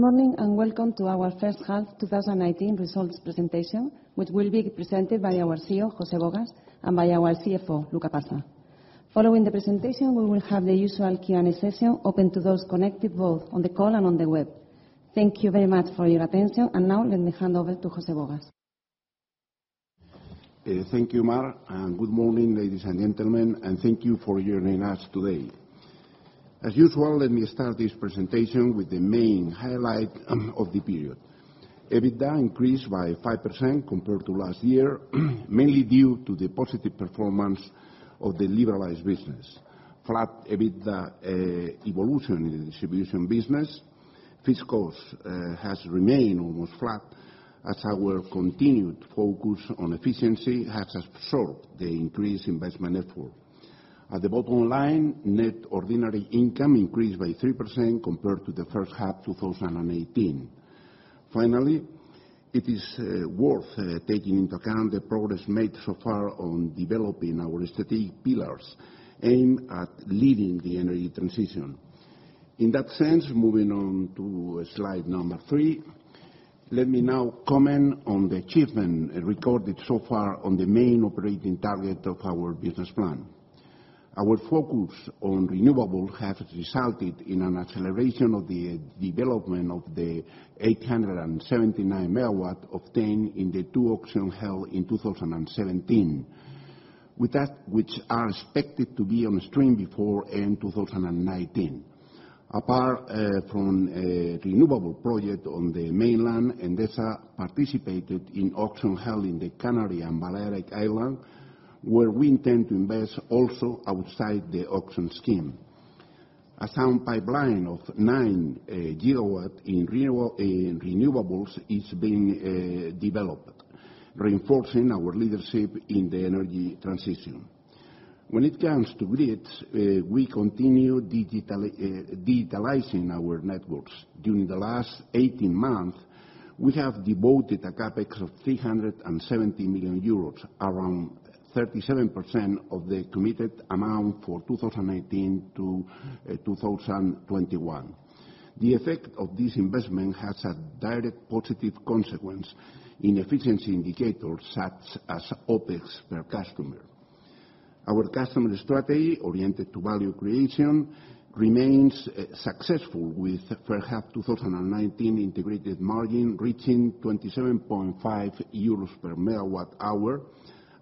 Good morning and welcome to our First Half 2019 results presentation, which will be presented by our CEO, José Bogas, and by our CFO, Luca Passa. Following the presentation, we will have the usual Q&A session open to those connected both on the call and on the web. Thank you very much for your attention, and now let me hand over to José Bogas. Thank you, Mar, and good morning, ladies and gentlemen, and thank you for joining us today. As usual, let me start this presentation with the main highlight of the period: EBITDA increased by 5% compared to last year, mainly due to the positive performance of the liberalized business. Flat EBITDA evolution in the distribution business. Fixed costs have remained almost flat, as our continued focus on efficiency has absorbed the increased investment effort. At the bottom line, net ordinary income increased by 3% compared to the first half of 2018. Finally, it is worth taking into account the progress made so far on developing our strategic pillars aimed at leading the energy transition. In that sense, moving on to slide number three, let me now comment on the achievement recorded so far on the main operating target of our business plan. Our focus on renewables has resulted in an acceleration of the development of the 879 MW obtained in the two auctions held in 2017, which are expected to be on stream before end 2019. Apart from renewable projects on the mainland, Endesa participated in auctions held in the Canary Islands and Balearic Islands, where we intend to invest also outside the auction scheme. A sound pipeline of 9 GW in renewables is being developed, reinforcing our leadership in the energy transition. When it comes to grids, we continue digitalizing our networks. During the last 18 months, we have devoted a CapEx of 370 million euros, around 37% of the committed amount for 2018 to 2021. The effect of this investment has a direct positive consequence in efficiency indicators such as OpEx per customer. Our customer strategy, oriented to value creation, remains successful with first half 2019 integrated margin reaching 27.5 euros per MWh,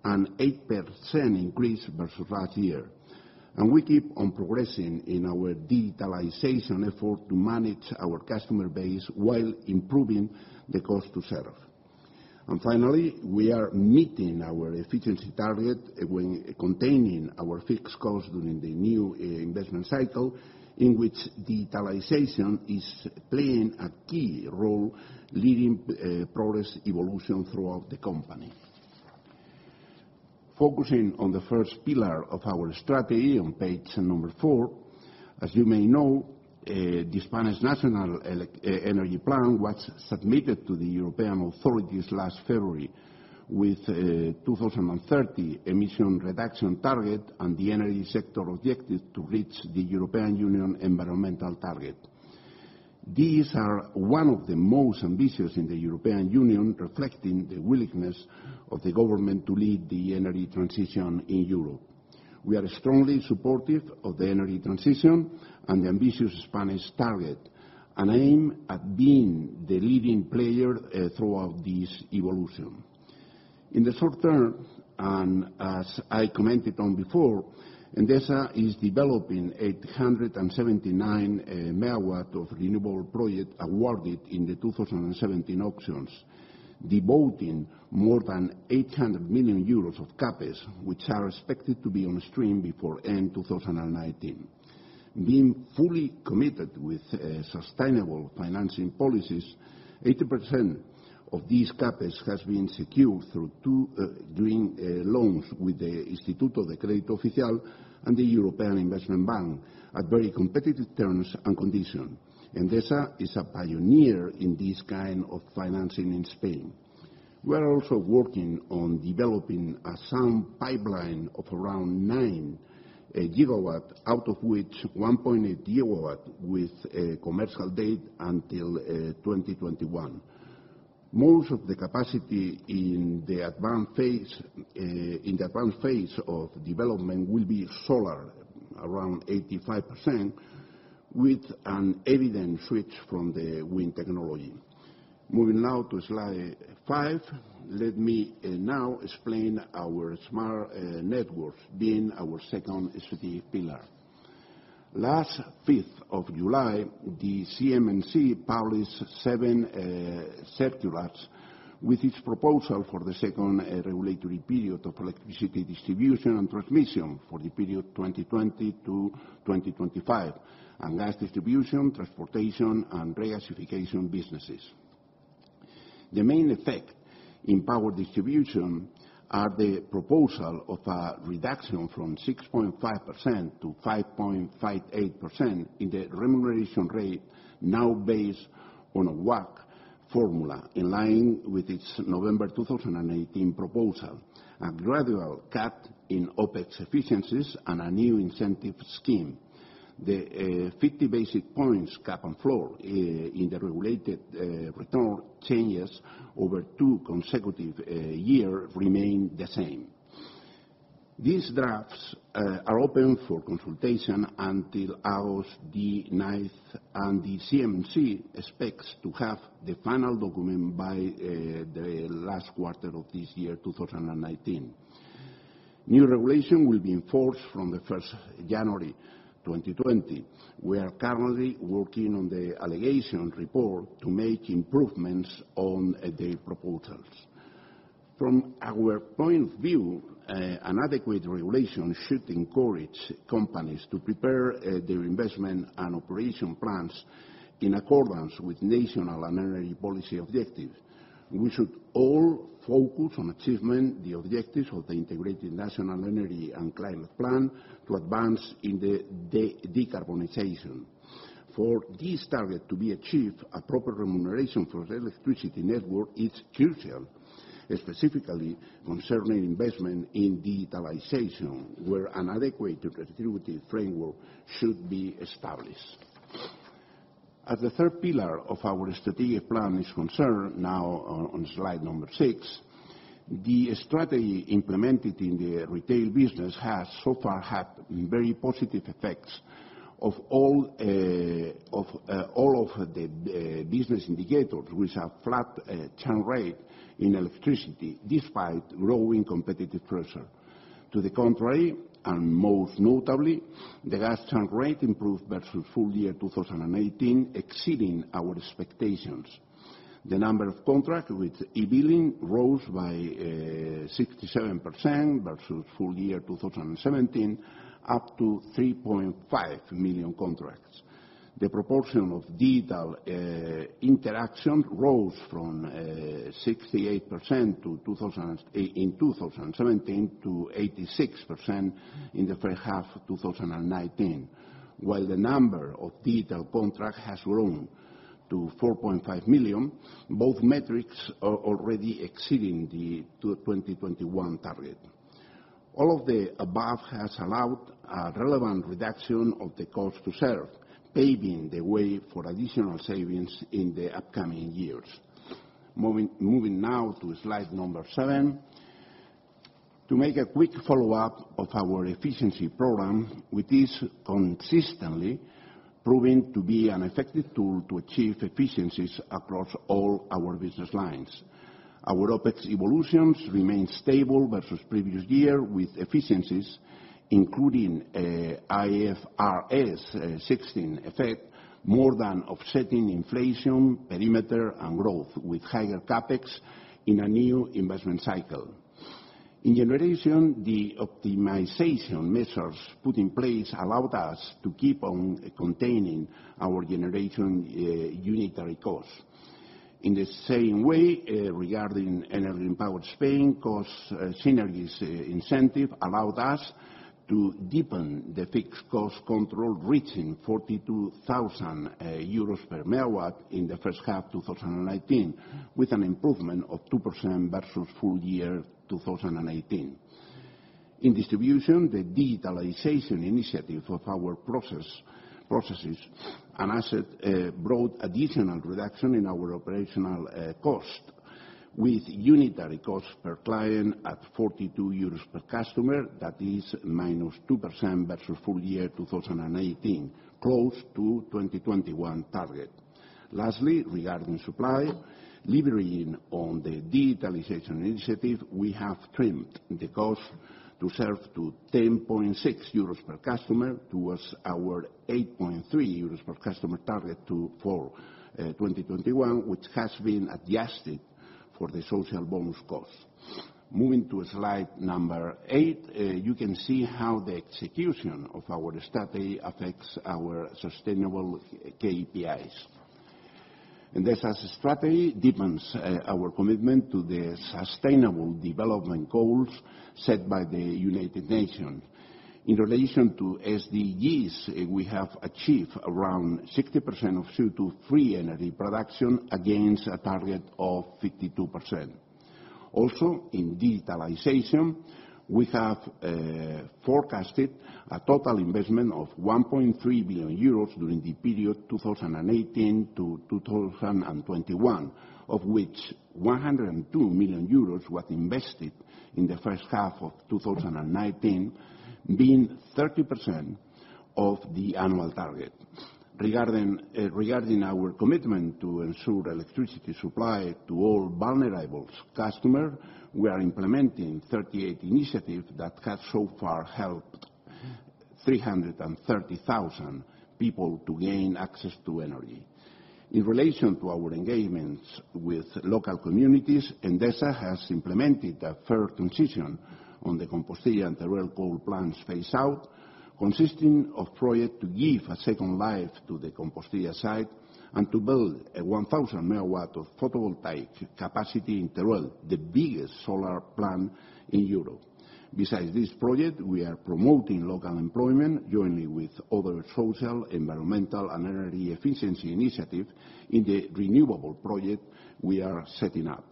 an 8% increase versus last year. We keep on progressing in our digitalization effort to manage our customer base while improving the cost to serve. Finally, we are meeting our efficiency target when containing our fixed costs during the new investment cycle, in which digitalization is playing a key role in leading progress evolution throughout the company. Focusing on the first pillar of our strategy on page number four, as you may know, the Spanish National Energy Plan was submitted to the European authorities last February with a 2030 emission reduction target and the energy sector objective to reach the European Union environmental target. These are one of the most ambitious in the European Union, reflecting the willingness of the government to lead the energy transition in Europe. We are strongly supportive of the energy transition and the ambitious Spanish target, and aim at being the leading player throughout this evolution. In the short term, and as I commented on before, Endesa is developing 879 MW of renewable projects awarded in the 2017 auctions, devoting more than 800 million euros of CapEx, which are expected to be on stream before end 2019. Being fully committed with sustainable financing policies, 80% of these CapEx has been secured through loans with the Instituto de Crédito Oficial and the European Investment Bank at very competitive terms and conditions. Endesa is a pioneer in this kind of financing in Spain. We are also working on developing a sound pipeline of around 9 GW, out of which 1.8 GW with commercial date until 2021. Most of the capacity in the advanced phase of development will be solar, around 85%, with an evident switch from the wind technology. Moving now to slide five, let me now explain our smart networks being our second strategic pillar. On the fifth of July, the CNMC published seven circulars with its proposal for the second regulatory period of electricity distribution and transmission for the period 2020 to 2025, and gas distribution, transportation, and regasification businesses. The main effect in power distribution is the proposal of a reduction from 6.5% to 5.58% in the remuneration rate, now based on a WACC formula, in line with its November 2018 proposal, a gradual cut in OpEx efficiencies, and a new incentive scheme. The 50 basis points cap and floor in the regulated return changes over two consecutive years remain the same. These drafts are open for consultation until August 9, and the CNMC expects to have the final document by the last quarter of this year, 2019. New regulation will be enforced from the 1st of January 2020. We are currently working on the allegation report to make improvements on the proposals. From our point of view, an adequate regulation should encourage companies to prepare their investment and operation plans in accordance with national energy policy objectives. We should all focus on achieving the objectives of the Integrated National Energy and Climate Plan to advance in the decarbonization. For these targets to be achieved, a proper remuneration for the electricity network is crucial, specifically concerning investment in digitalization, where an adequate retributive framework should be established. As the third pillar of our strategic plan is concerned, now on slide number six, the strategy implemented in the retail business has so far had very positive effects on all of the business indicators, which are flat churn rates in electricity, despite growing competitive pressure. To the contrary, and most notably, the gas churn rate improved versus full year 2018, exceeding our expectations. The number of contracts with e-billing rose by 67% versus full year 2017, up to 3.5 million contracts. The proportion of digital interaction rose from 68% in 2017 to 86% in the first half of 2019, while the number of digital contracts has grown to 4.5 million, both metrics already exceeding the 2021 target. All of the above has allowed a relevant reduction of the cost to serve, paving the way for additional savings in the upcoming years. Moving now to slide number seven, to make a quick follow-up of our efficiency program, which is consistently proving to be an effective tool to achieve efficiencies across all our business lines. Our OpEx evolutions remain stable versus previous year, with efficiencies, including IFRS 16 effect, more than offsetting inflation, perimeter, and growth, with higher CapEx in a new investment cycle. In generation, the optimization measures put in place allowed us to keep on containing our generation unitary costs. In the same way, regarding Enel Green Power España, cost synergies incentive allowed us to deepen the fixed cost control reaching 42,000 euros per MW in the first half of 2019, with an improvement of 2% versus full year 2018. In distribution, the digitalization initiative of our processes and assets brought additional reduction in our operational cost, with unitary cost per client at 42 euros per customer, that is -2% versus full year 2018, close to the 2021 target. Lastly, regarding supply, levering on the digitalization initiative, we have trimmed the cost to serve to 10.6 euros per customer towards our 8.3 euros per customer target for 2021, which has been adjusted for the social bonus cost. Moving to slide number eight, you can see how the execution of our strategy affects our sustainable KPIs. Endesa's strategy deepens our commitment to the sustainable development goals set by the United Nations. In relation to SDGs, we have achieved around 60% of CO2-free energy production against a target of 52%. Also, in digitalization, we have forecasted a total investment of 1.3 billion euros during the period 2018 to 2021, of which 102 million euros were invested in the first half of 2019, being 30% of the annual target. Regarding our commitment to ensure electricity supply to all vulnerable customers, we are implementing 38 initiatives that have so far helped 330,000 people to gain access to energy. In relation to our engagements with local communities, Endesa has implemented a third transition on the Compostilla and Teruel coal plants phase out, consisting of a project to give a second life to the Compostilla site and to build a 1,000 MW of photovoltaic capacity in Teruel, the biggest solar plant in Europe. Besides this project, we are promoting local employment, jointly with other social, environmental, and energy efficiency initiatives in the renewable project we are setting up.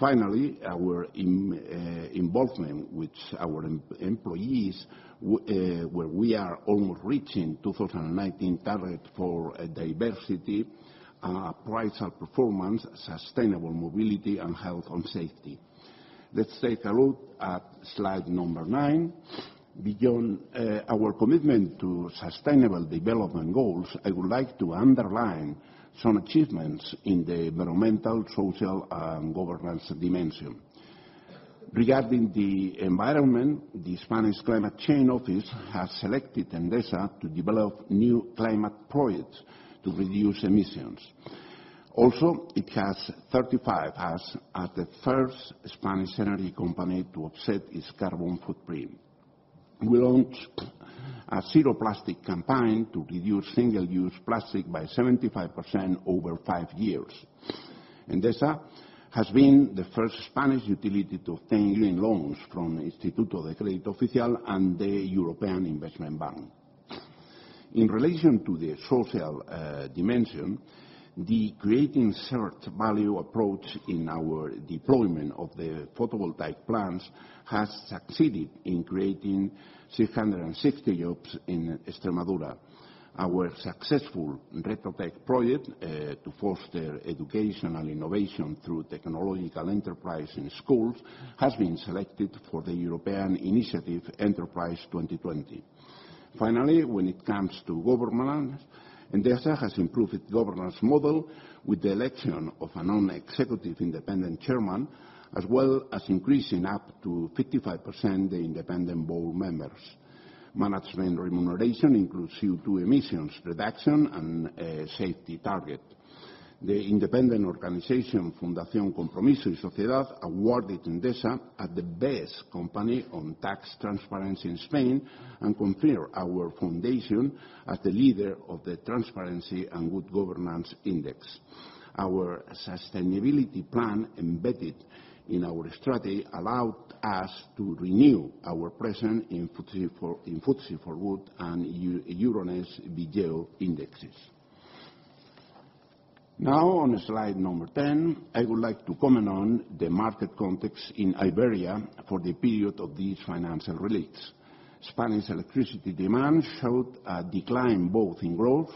Finally, our involvement with our employees, where we are almost reaching the 2019 target for diversity, appraisal performance, sustainable mobility, and health and safety. Let's take a look at slide number nine. Beyond our commitment to sustainable development goals, I would like to underline some achievements in the environmental, social, and governance dimension. Regarding the environment, the Spanish Climate Change Office has selected Endesa to develop new climate projects to reduce emissions. Also, it has certified us as the first Spanish energy company to offset its carbon footprint. We launched a zero plastic campaign to reduce single-use plastic by 75% over five years. Endesa has been the first Spanish utility to obtain green loans from the Instituto de Crédito Oficial and the European Investment Bank. In relation to the social dimension, the creating shared value approach in our deployment of the photovoltaic plants has succeeded in creating 660 jobs in Extremadura. Our successful RetoTech project to foster educational innovation through technological enterprise in schools has been selected for the European initiative Enterprise 2020. Finally, when it comes to governance, Endesa has improved its governance model with the election of a non-executive independent chairman, as well as increasing up to 55% the independent board members. Management remuneration includes CO2 emissions reduction and safety target. The independent organization Fundación Compromiso y Transparencia awarded Endesa as the best company on tax transparency in Spain and confirmed our foundation as the leader of the Transparency and Good Governance Index. Our sustainability plan embedded in our strategy allowed us to renew our presence in FTSE4Good and Euronext Vigeo indexes. Now, on slide number ten, I would like to comment on the market context in Iberia for the period of these financial releases. Spanish electricity demand showed a decline both in growth,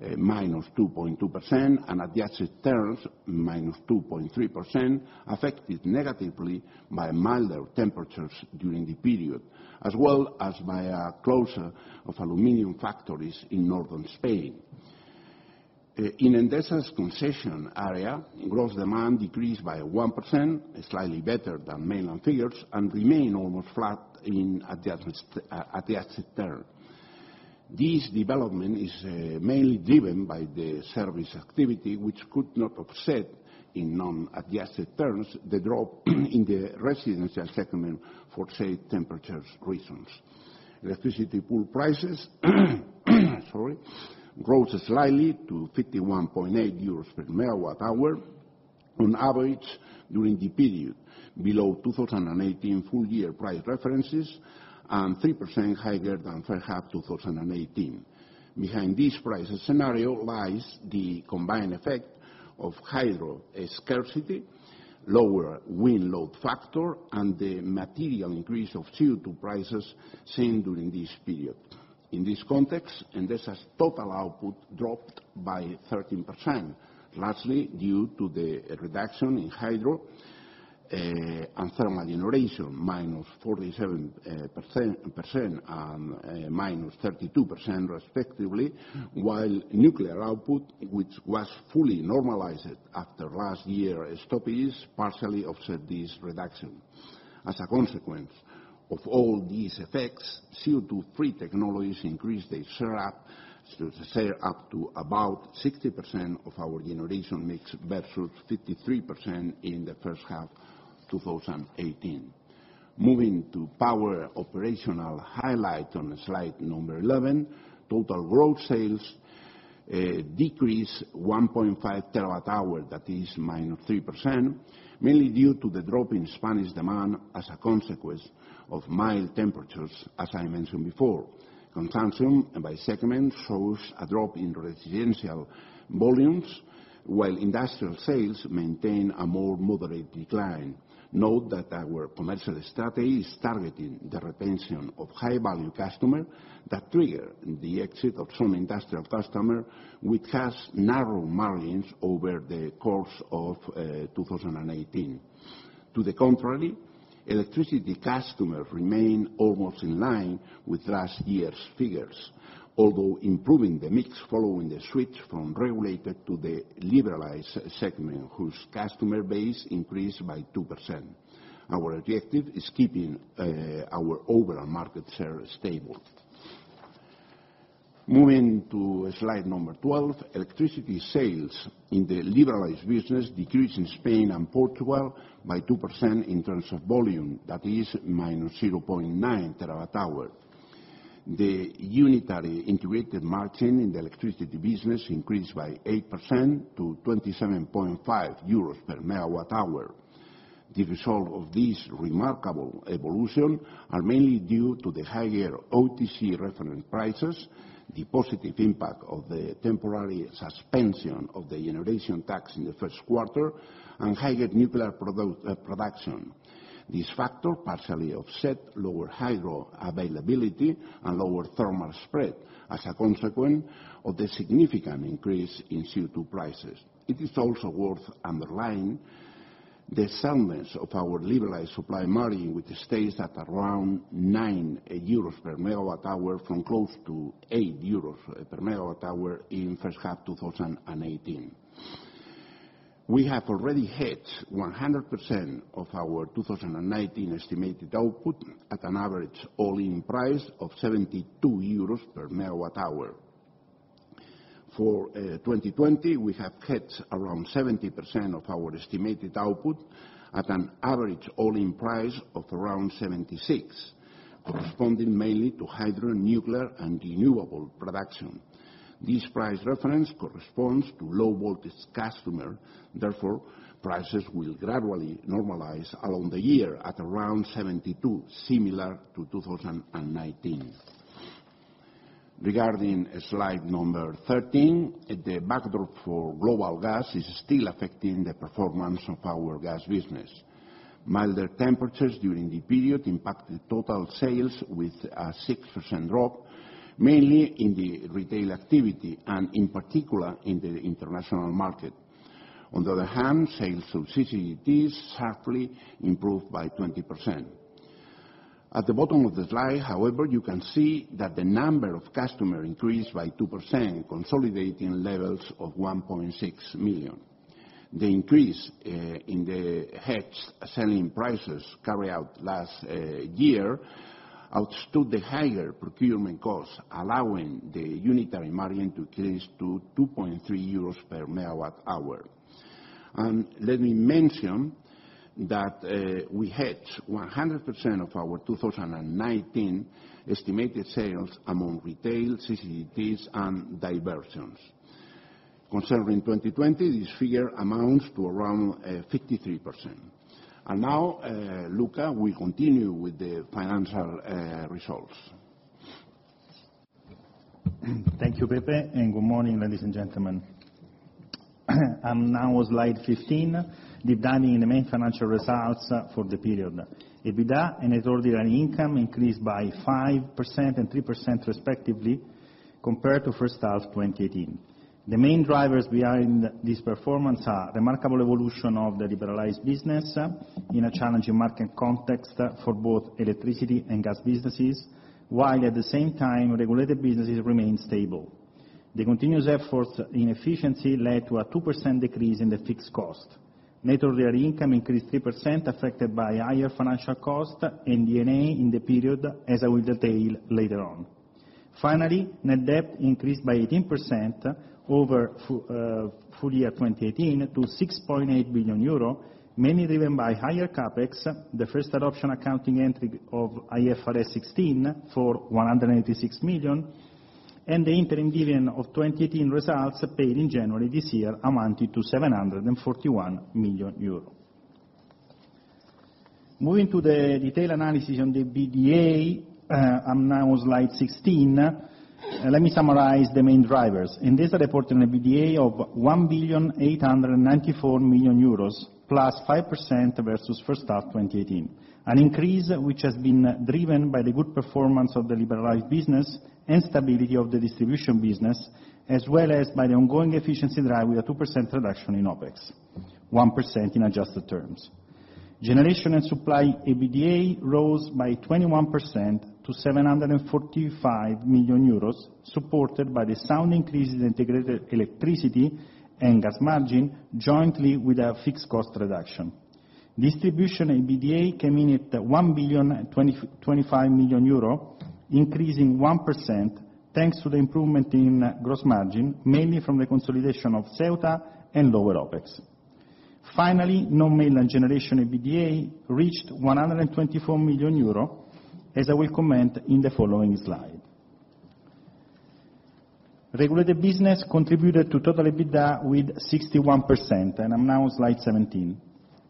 -2.2%, and adjusted terms, -2.3%, affected negatively by milder temperatures during the period, as well as by a closure of aluminum factories in northern Spain. In Endesa's concession area, gross demand decreased by 1%, slightly better than mainland figures, and remained almost flat in adjusted terms. This development is mainly driven by the service activity, which could not offset, in non-adjusted terms, the drop in the residential segment for safe temperature reasons. Electricity pool prices grow slightly to 51.8 euros per MWh on average during the period, below 2018 full year price references and 3% higher than first half 2018. Behind this price scenario lies the combined effect of hydro scarcity, lower wind load factor, and the material increase of CO2 prices seen during this period. In this context, Endesa's total output dropped by 13%, largely due to the reduction in hydro and thermal generation, -47% and -32%, respectively, while nuclear output, which was fully normalized after last year's stoppage, partially offset this reduction. As a consequence of all these effects, CO2-free technologies increased their share up to about 60% of our generation mix versus 53% in the first half of 2018. Moving to power operational highlight on slide number 11, total growth sales decreased 1.5 TWh, that is -3%, mainly due to the drop in Spanish demand as a consequence of mild temperatures, as I mentioned before. Consumption by segment shows a drop in residential volumes, while industrial sales maintain a more moderate decline. Note that our commercial strategy is targeting the retention of high-value customers that trigger the exit of some industrial customers, which has narrowed margins over the course of 2018. To the contrary, electricity customers remain almost in line with last year's figures, although improving the mix following the switch from regulated to the liberalized segment, whose customer base increased by 2%. Our objective is keeping our overall market share stable. Moving to slide number 12, electricity sales in the liberalized business decreased in Spain and Portugal by 2% in terms of volume, that is -0.9 TWh The unitary integrated margin in the electricity business increased by 8% to 27.5 euros per MWh. The result of this remarkable evolution is mainly due to the higher OTC reference prices, the positive impact of the temporary suspension of the generation tax in the first quarter, and higher nuclear production. This factor partially offsets lower hydro availability and lower thermal spread as a consequence of the significant increase in CO2 prices. It is also worth underlining the solidness of our liberalized supply margin with the stats at around 9 euros per MWh from close to 8 euros per MWh in first half 2018. We have already hit 100% of our 2019 estimated output at an average all-in price of 72 euros per MWh. For 2020, we have hit around 70% of our estimated output at an average all-in price of around 76, corresponding mainly to hydro, nuclear, and renewable production. This price reference corresponds to low-voltage customers. Therefore, prices will gradually normalize along the year at around 72, similar to 2019. Regarding slide number 13, the backdrop for global gas is still affecting the performance of our gas business. Milder temperatures during the period impacted total sales with a 6% drop, mainly in the retail activity and, in particular, in the international market. On the other hand, sales of CCGTs sharply improved by 20%. At the bottom of the slide, however, you can see that the number of customers increased by 2%, consolidating levels of 1.6 million. The increase in the hedged selling prices carried out last year outweighed the higher procurement costs, allowing the unitary margin to increase to 2.3 euros per MWh. Let me mention that we hedged 100% of our 2019 estimated sales among retail, CCGTs, and diversions. Concerning 2020, this figure amounts to around 53%. Now, Luca, we continue with the financial results. Thank you, Pepe, and good morning, ladies and gentlemen. Now, on slide 15, deep diving in the main financial results for the period. EBITDA and net ordinary income increased by 5% and 3%, respectively, compared to first half 2018. The main drivers behind this performance are remarkable evolution of the liberalized business in a challenging market context for both electricity and gas businesses, while at the same time, regulated businesses remained stable. The continuous efforts in efficiency led to a 2% decrease in the fixed cost. Net ordinary income increased 3%, affected by higher financial cost and D&A in the period, as I will detail later on. Finally, net debt increased by 18% over full year 2018 to 6.8 billion euro, mainly driven by higher CapEx, the first adoption accounting entry of IFRS 16 for 186 million, and the interim dividend of 2018 results paid in January this year amounted to 741 million euro. Moving to the detailed analysis on the EBITDA, and now on slide 16, let me summarize the main drivers. Endesa reported an EBITDA of 1,894 million euros, +5% versus first half 2018. An increase which has been driven by the good performance of the liberalized business and stability of the distribution business, as well as by the ongoing efficiency drive with a 2% reduction in OpEx, 1% in adjusted terms. Generation and supply EBITDA rose by 21% to 745 million euros, supported by the sound increase in integrated electricity and gas margin, jointly with a fixed cost reduction. Distribution EBITDA came in at 1,025 million euro, increasing 1% thanks to the improvement in gross margin, mainly from the consolidation of Ceuta and lower OpEx. Finally, non-mainland generation EBITDA reached 124 million euro, as I will comment in the following slide. Regulated business contributed to total EBITDA with 61%, and I'm now on slide 17.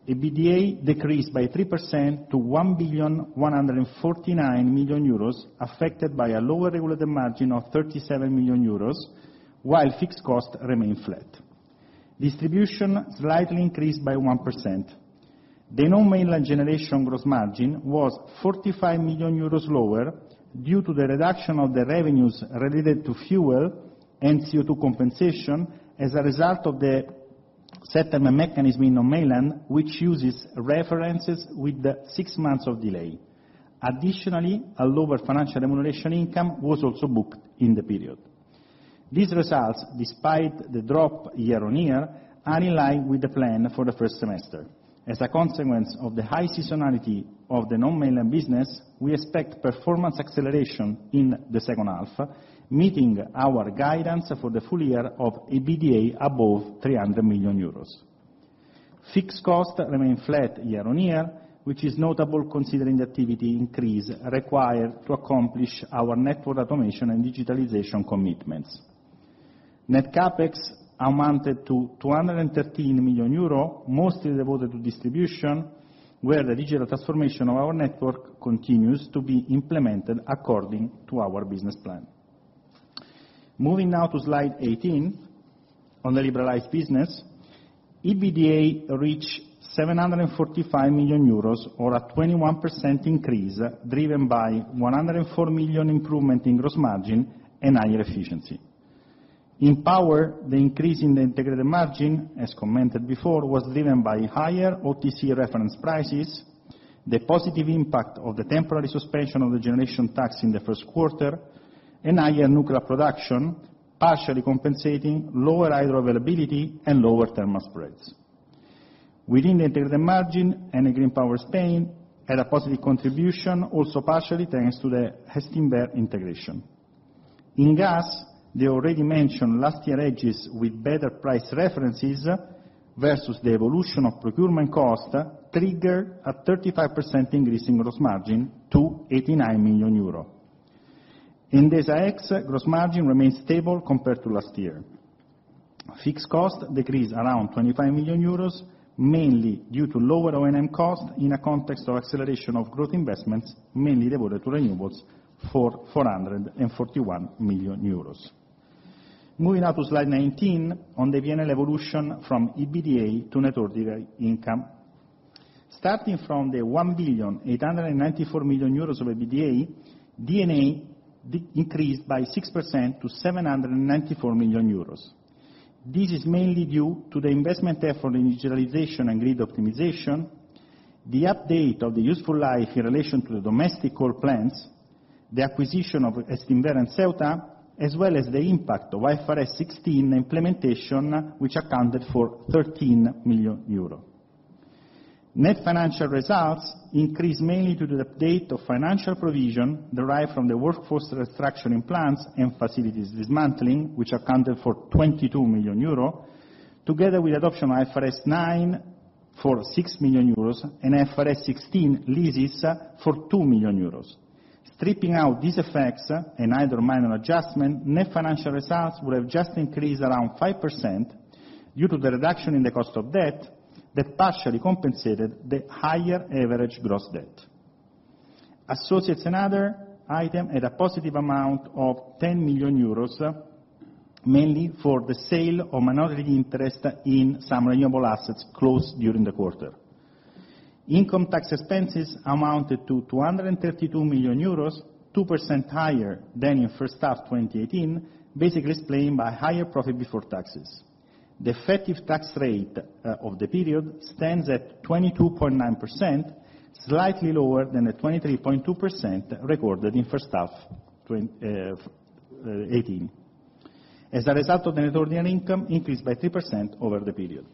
EBITDA decreased by 3% to 1,149,000,000 euros, affected by a lower regulated margin of 37 million euros, while fixed costs remained flat. Distribution slightly increased by 1%. The non-mainland generation gross margin was 45 million euros lower due to the reduction of the revenues related to fuel and CO2 compensation as a result of the settlement mechanism in non-mainland, which uses references with six months of delay. Additionally, a lower financial remuneration income was also booked in the period. These results, despite the drop year-on-year, are in line with the plan for the first semester. As a consequence of the high seasonality of the non-mainland business, we expect performance acceleration in the second half, meeting our guidance for the full year of EBITDA above 300 million euros. Fixed costs remained flat year-on-year, which is notable considering the activity increase required to accomplish our network automation and digitalization commitments. Net CapEx amounted to 213 million euro, mostly devoted to distribution, where the digital transformation of our network continues to be implemented according to our business plan. Moving now to slide 18, on the liberalized business, EBITDA reached 745 million euros, or a 21% increase driven by 104 million improvement in gross margin and higher efficiency. In power, the increase in the integrated margin, as commented before, was driven by higher OTC reference prices, the positive impact of the temporary suspension of the generation tax in the first quarter, and higher nuclear production, partially compensating lower hydro availability and lower thermal spreads. Within the integrated margin, Enel Green Power España had a positive contribution, also partially thanks to the Gestinver integration. In gas, the already mentioned last year hedges with better price references versus the evolution of procurement cost triggered a 35% increase in gross margin to 89 million euro. Endesa X gross margin remained stable compared to last year. Fixed cost decreased around 25 million euros, mainly due to lower O&M cost in a context of acceleration of growth investments, mainly devoted to renewables for 441 million euros. Moving now to slide 19, on the P&L evolution from EBITDA to net ordinary income. Starting from the 1,894,000,000 euros of EBITDA, net ordinary income increased by 6% to 794 million euros. This is mainly due to the investment effort in digitalization and grid optimization, the update of the useful life in relation to the domestic coal plants, the acquisition of Gestinver and Ceuta, as well as the impact of IFRS 16 implementation, which accounted for 13 million euro. Net financial results increased mainly due to the update of financial provision derived from the workforce restructuring in plants and facilities dismantling, which accounted for 22 million euros, together with the adoption of IFRS 9 for 6 million euros and IFRS 16 leases for 2 million euros. Stripping out these effects and other minor adjustment, net financial results would have just increased around 5% due to the reduction in the cost of debt that partially compensated the higher average gross debt. Associates and other items had a positive amount of 10 million euros, mainly for the sale of minority interest in some renewable assets closed during the quarter. Income tax expenses amounted to 232 million euros, 2% higher than in first half 2018, basically explained by higher profit before taxes. The effective tax rate of the period stands at 22.9%, slightly lower than the 23.2% recorded in first half 2018. As a result, the net ordinary income increased by 3% over the period.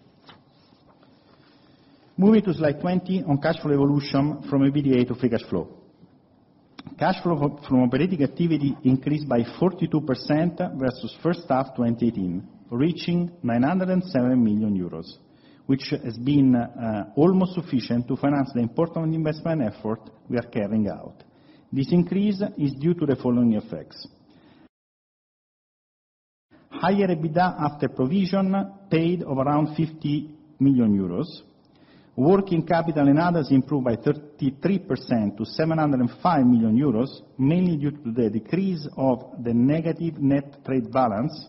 Moving to slide 20 on cash flow evolution from EBITDA to free cash flow. Cash flow from operating activity increased by 42% versus first half 2018, reaching 907 million euros, which has been almost sufficient to finance the important investment effort we are carrying out. This increase is due to the following effects: higher EBITDA after provisions paid of around 50 million euros, working capital and others improved by 33% to 705 million euros, mainly due to the decrease of the negative net trade balance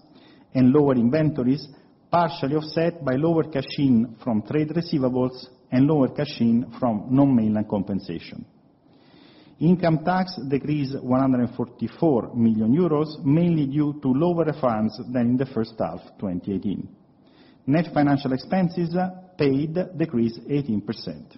and lower inventories, partially offset by lower cash in from trade receivables and lower cash in from non-regulated compensation. Income tax decreased 144 million euros, mainly due to lower funds than in the first half 2018. Net financial expenses paid decreased 18%.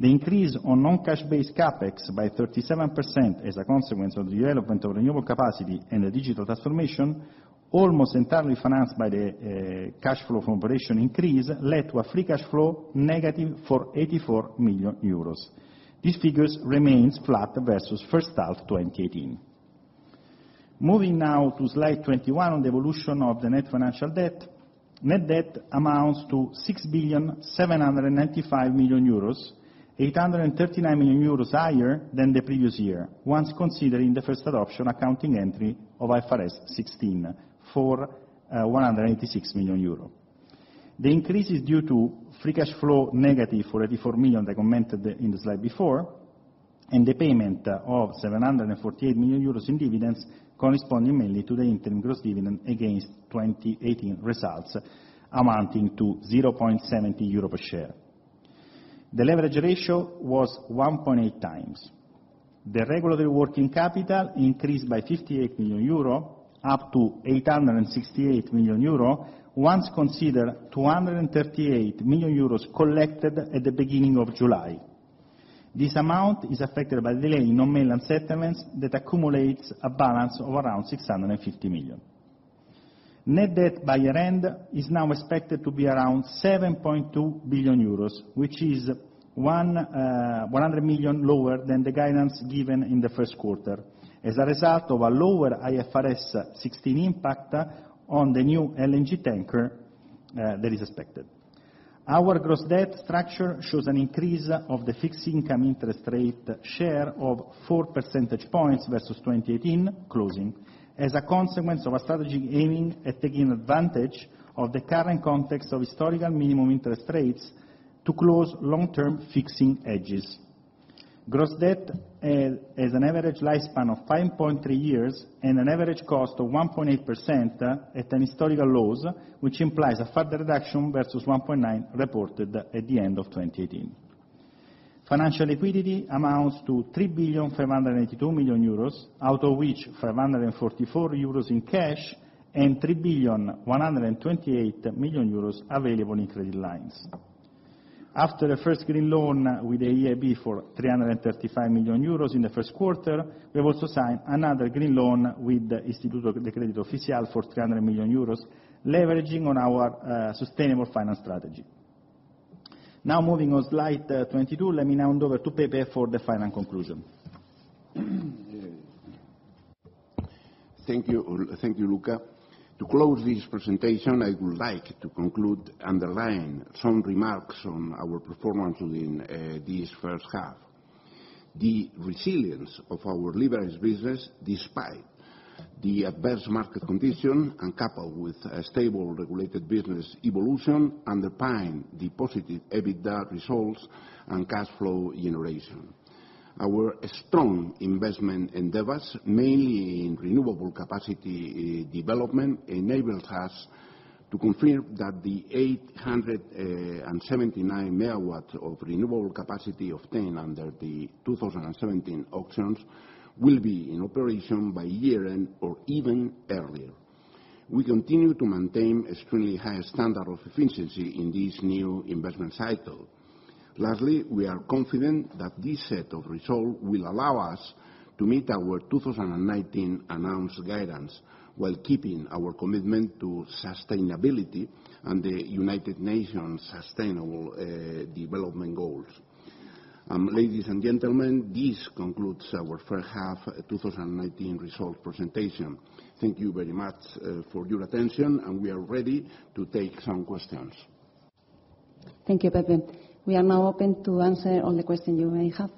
The increase on non-cash-based CapEx by 37% as a consequence of the development of renewable capacity and the digital transformation, almost entirely financed by the cash flow from operation increase, led to a free cash flow negative for 84 million euros. These figures remain flat versus first half 2018. Moving now to slide 21, on the evolution of the net financial debt. Net debt amounts to 6,795,000,000 euros, 839 million euros higher than the previous year, once considering the first adoption accounting entry of IFRS 16 for 186 million euro. The increase is due to free cash flow negative for 84 million that I commented in the slide before, and the payment of 748 million euros in dividends corresponding mainly to the interim gross dividend against 2018 results amounting to 0.70 euro per share. The leverage ratio was 1.8x. The regulatory working capital increased by 58 million euro, up to 868 million euro, once considered 238 million euros collected at the beginning of July. This amount is affected by delay in non-mainland settlements that accumulates a balance of around 650 million. Net debt by year-end is now expected to be around 7.2 billion euros, which is 100 million lower than the guidance given in the first quarter, as a result of a lower IFRS 16 impact on the new LNG tanker that is expected. Our gross debt structure shows an increase of the fixed income interest rate share of 4 percentage points versus 2018 closing, as a consequence of a strategy aiming at taking advantage of the current context of historical minimum interest rates to close long-term fixing hedges. Gross debt has an average lifespan of 5.3 years and an average cost of 1.8% at historical lows, which implies a further reduction versus 1.9% reported at the end of 2018. Financial liquidity amounts to 3.582 billion, out of which 544 million euros in cash and 3.128 billion available in credit lines. After the first green loan with the EIB for 335 million euros in the first quarter, we have also signed another green loan with the Instituto de Crédito Oficial for 300 million euros, leveraging on our sustainable finance strategy. Now, moving on slide 22, let me now hand over to Pepe for the final conclusion. Thank you, Luca. To close this presentation, I would like to conclude underlining some remarks on our performance within this first half. The resilience of our liberalized business, despite the adverse market condition and coupled with a stable regulated business evolution, underpin the positive EBITDA results and cash flow generation. Our strong investment endeavors, mainly in renewable capacity development, enabled us to confirm that the 879 MW of renewable capacity obtained under the 2017 auctions will be in operation by year-end or even earlier. We continue to maintain extremely high standards of efficiency in this new investment cycle. Lastly, we are confident that this set of results will allow us to meet our 2019 announced guidance while keeping our commitment to sustainability and the United Nations Sustainable Development Goals. Ladies and gentlemen, this concludes our first half 2019 results presentation. Thank you very much for your attention, and we are ready to take some questions. Thank you, Pepe. We are now open to answer all the questions you may have.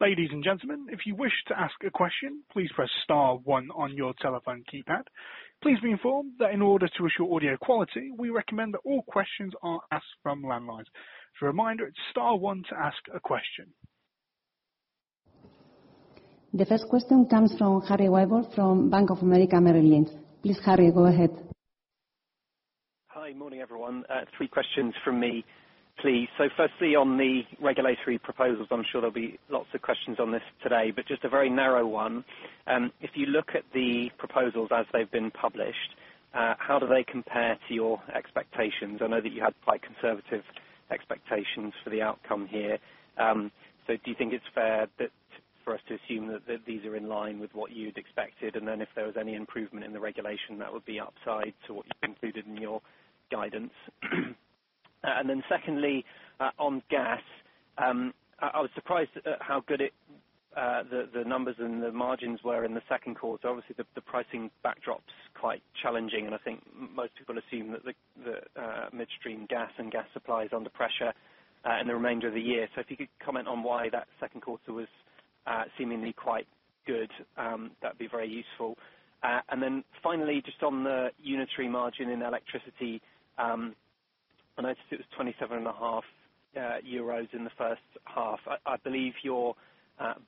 Ladies and gentlemen, if you wish to ask a question, please press star one on your telephone keypad. Please be informed that in order to assure audio quality, we recommend that all questions are asked from landlines. For a reminder, it's star one to ask a question. The first question comes from Harry Wyburd from Bank of America Merrill Lynch. Please, Harry, go ahead. Hi, morning everyone. Three questions from me, please. So firstly, on the regulatory proposals, I'm sure there'll be lots of questions on this today, but just a very narrow one. If you look at the proposals as they've been published, how do they compare to your expectations? I know that you had quite conservative expectations for the outcome here. So do you think it's fair for us to assume that these are in line with what you'd expected, and then if there was any improvement in the regulation, that would be upside to what you concluded in your guidance? And then secondly, on gas, I was surprised at how good the numbers and the margins were in the second quarter. Obviously, the pricing backdrop's quite challenging, and I think most people assume that the midstream gas and gas supply is under pressure in the remainder of the year. So if you could comment on why that second quarter was seemingly quite good, that'd be very useful. And then finally, just on the unitary margin in electricity, I noticed it was 27.5 euros in the first half. I believe your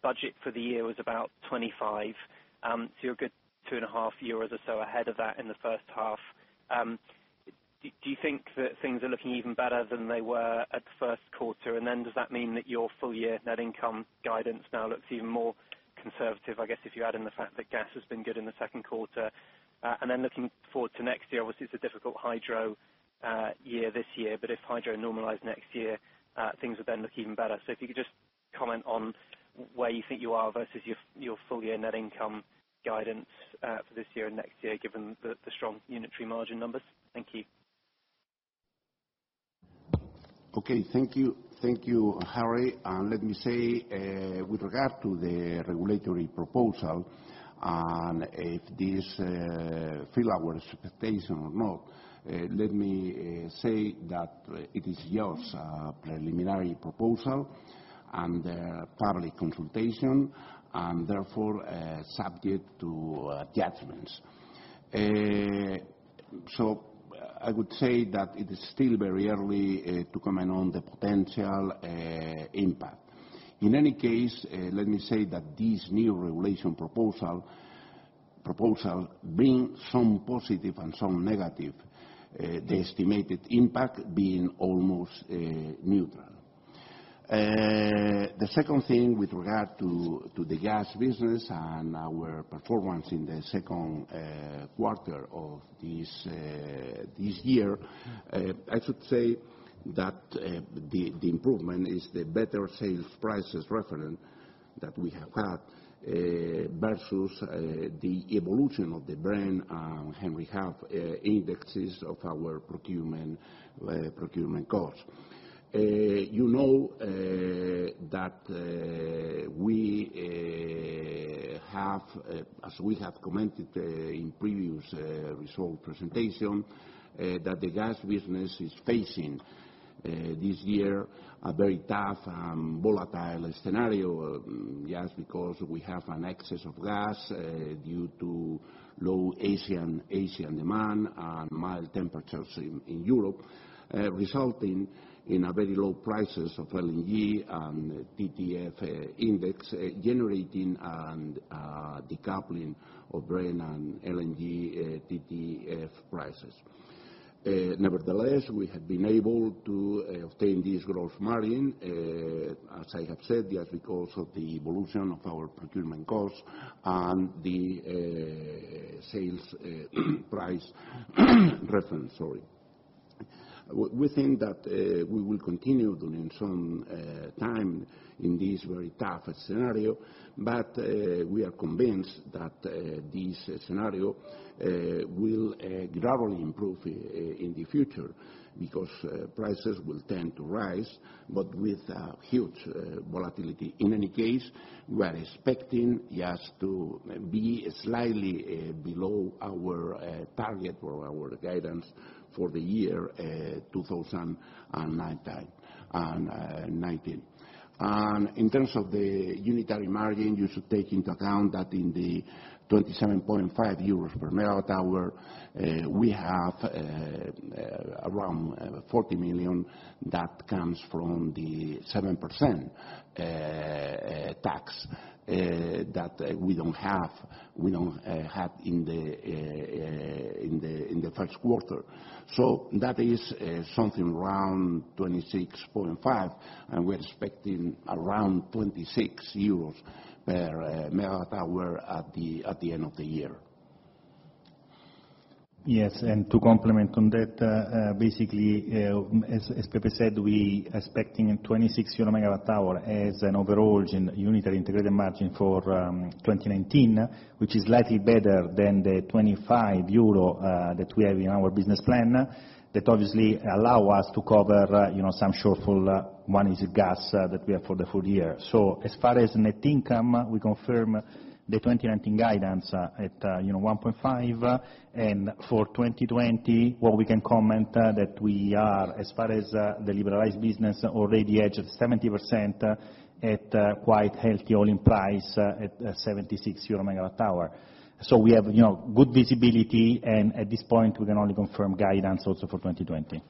budget for the year was about 25, so you're a good 2.5 euros or so ahead of that in the first half. Do you think that things are looking even better than they were at the first quarter? And then does that mean that your full year net income guidance now looks even more conservative, I guess, if you add in the fact that gas has been good in the second quarter? And then looking forward to next year, obviously it's a difficult hydro year this year, but if hydro normalized next year, things would then look even better. So if you could just comment on where you think you are versus your full year net income guidance for this year and next year, given the strong unitary margin numbers. Thank you. Okay, thank you, Harry. Let me say, with regard to the regulatory proposal, and if this fulfills our expectations or not, let me say that it is your preliminary proposal and public consultation, and therefore subject to judgments. So I would say that it is still very early to comment on the potential impact. In any case, let me say that this new regulatory proposal brings some positive and some negative, the estimated impact being almost neutral. The second thing with regard to the gas business and our performance in the second quarter of this year, I should say that the improvement is the better sales prices reference that we have had versus the evolution of the Brent and Henry Hub indexes of our procurement costs. You know that we have, as we have commented in previous results presentation, that the gas business is facing this year a very tough and volatile scenario, yes, because we have an excess of gas due to low Asian demand and mild temperatures in Europe, resulting in very low prices of LNG and TTF index generating and decoupling of Brent and LNG TTF prices. Nevertheless, we have been able to obtain this gross margin, as I have said, yes, because of the evolution of our procurement costs and the sales price reference, sorry. We think that we will continue during some time in this very tough scenario, but we are convinced that this scenario will gradually improve in the future because prices will tend to rise, but with huge volatility. In any case, we are expecting, yes, to be slightly below our target or our guidance for the year 2019. In terms of the unitary margin, you should take into account that in the 27.5 euros per MWh, we have around 40 million that comes from the 7% tax that we don't have in the first quarter. So that is something around 26.5, and we are expecting around 26 euros per MWh at the end of the year. Yes, and to complement on that, basically, as Pepe said, we are expecting a 26 euro MWh as an overall unitary integrated margin for 2019, which is slightly better than the 25 euro that we have in our business plan that obviously allows us to cover some shortfall, one is gas that we have for the full year. So as far as net income, we confirm the 2019 guidance at 1.5, and for 2020, what we can comment that we are, as far as the liberalized business, already hedged 70% at quite healthy oil-linked price at 76 euro per MWh. So we have good visibility, and at this point, we can only confirm guidance also for 2020.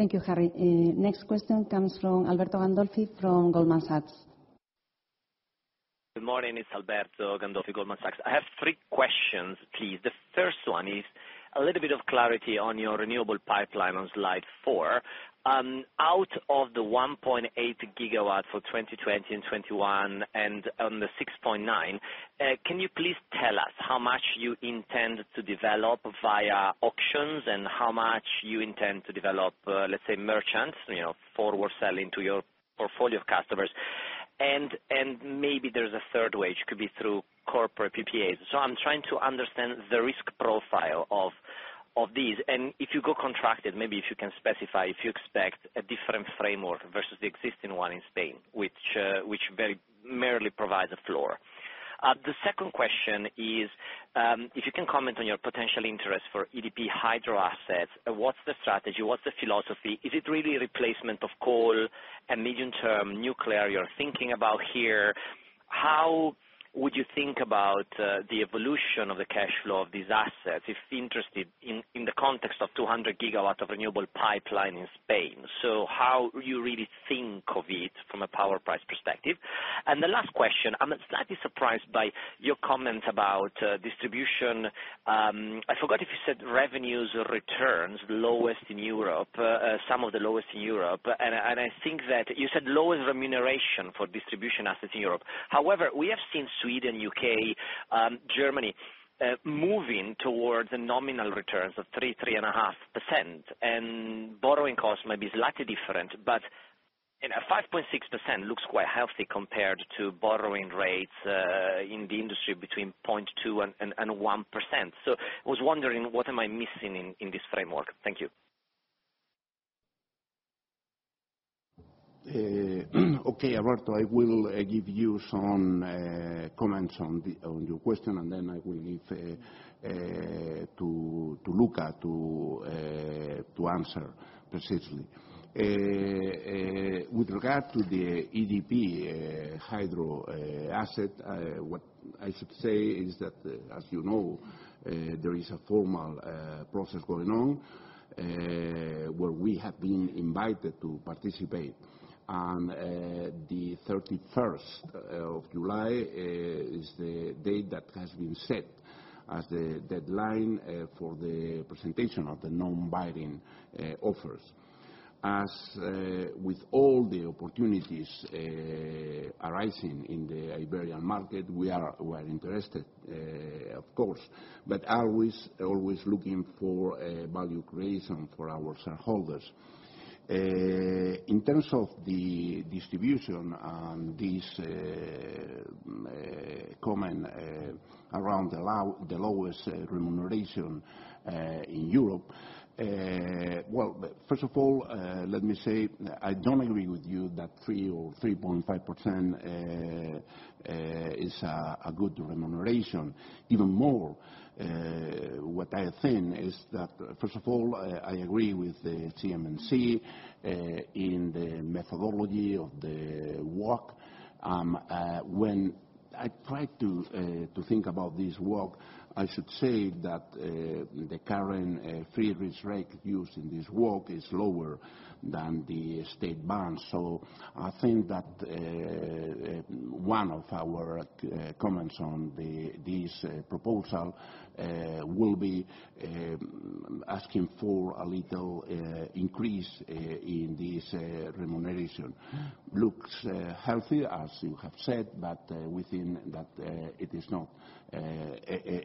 Thank you, Harry. Next question comes from Alberto Gandolfi from Goldman Sachs. Good morning, it's Alberto Gandolfi, Goldman Sachs. I have three questions, please. The first one is a little bit of clarity on your renewable pipeline on slide four. Out of the 1.8 GW for 2020 and 2021 and on the 6.9, can you please tell us how much you intend to develop via auctions and how much you intend to develop, let's say, merchant, forward selling to your portfolio of customers? Maybe there's a third way, which could be through corporate PPAs. So I'm trying to understand the risk profile of these. And if you go contracted, maybe if you can specify if you expect a different framework versus the existing one in Spain, which merely provides a floor. The second question is, if you can comment on your potential interest for EDP hydro assets, what's the strategy? What's the philosophy? Is it really replacement of coal and medium-term nuclear you're thinking about here? How would you think about the evolution of the cash flow of these assets if interested in the context of 200 GW of renewable pipeline in Spain? So how do you really think of it from a power price perspective? And the last question, I'm slightly surprised by your comments about distribution. I forgot if you said revenues or returns, lowest in Europe, some of the lowest in Europe. And I think that you said lowest remuneration for distribution assets in Europe. However, we have seen Sweden, U.K., Germany moving towards nominal returns of 3%-3.5%. And borrowing costs may be slightly different, but 5.6% looks quite healthy compared to borrowing rates in the industry between 0.2% and 1%. So I was wondering, what am I missing in this framework? Thank you. Okay, Alberto, I will give you some comments on your question, and then I will leave to Luca to answer precisely. With regard to the EDP hydro asset, what I should say is that, as you know, there is a formal process going on where we have been invited to participate. The 31st of July is the date that has been set as the deadline for the presentation of the non-binding offers. As with all the opportunities arising in the Iberian market, we are interested, of course, but always looking for value creation for our shareholders. In terms of the distribution and this comment around the lowest remuneration in Europe, well, first of all, let me say I don't agree with you that 3% or 3.5% is a good remuneration. Even more, what I think is that, first of all, I agree with the CNMC in the methodology of the work. When I try to think about this work, I should say that the current risk-free rate used in this work is lower than the state bonds. So I think that one of our comments on this proposal will be asking for a little increase in this remuneration. Looks healthy, as you have said, but we think that it is not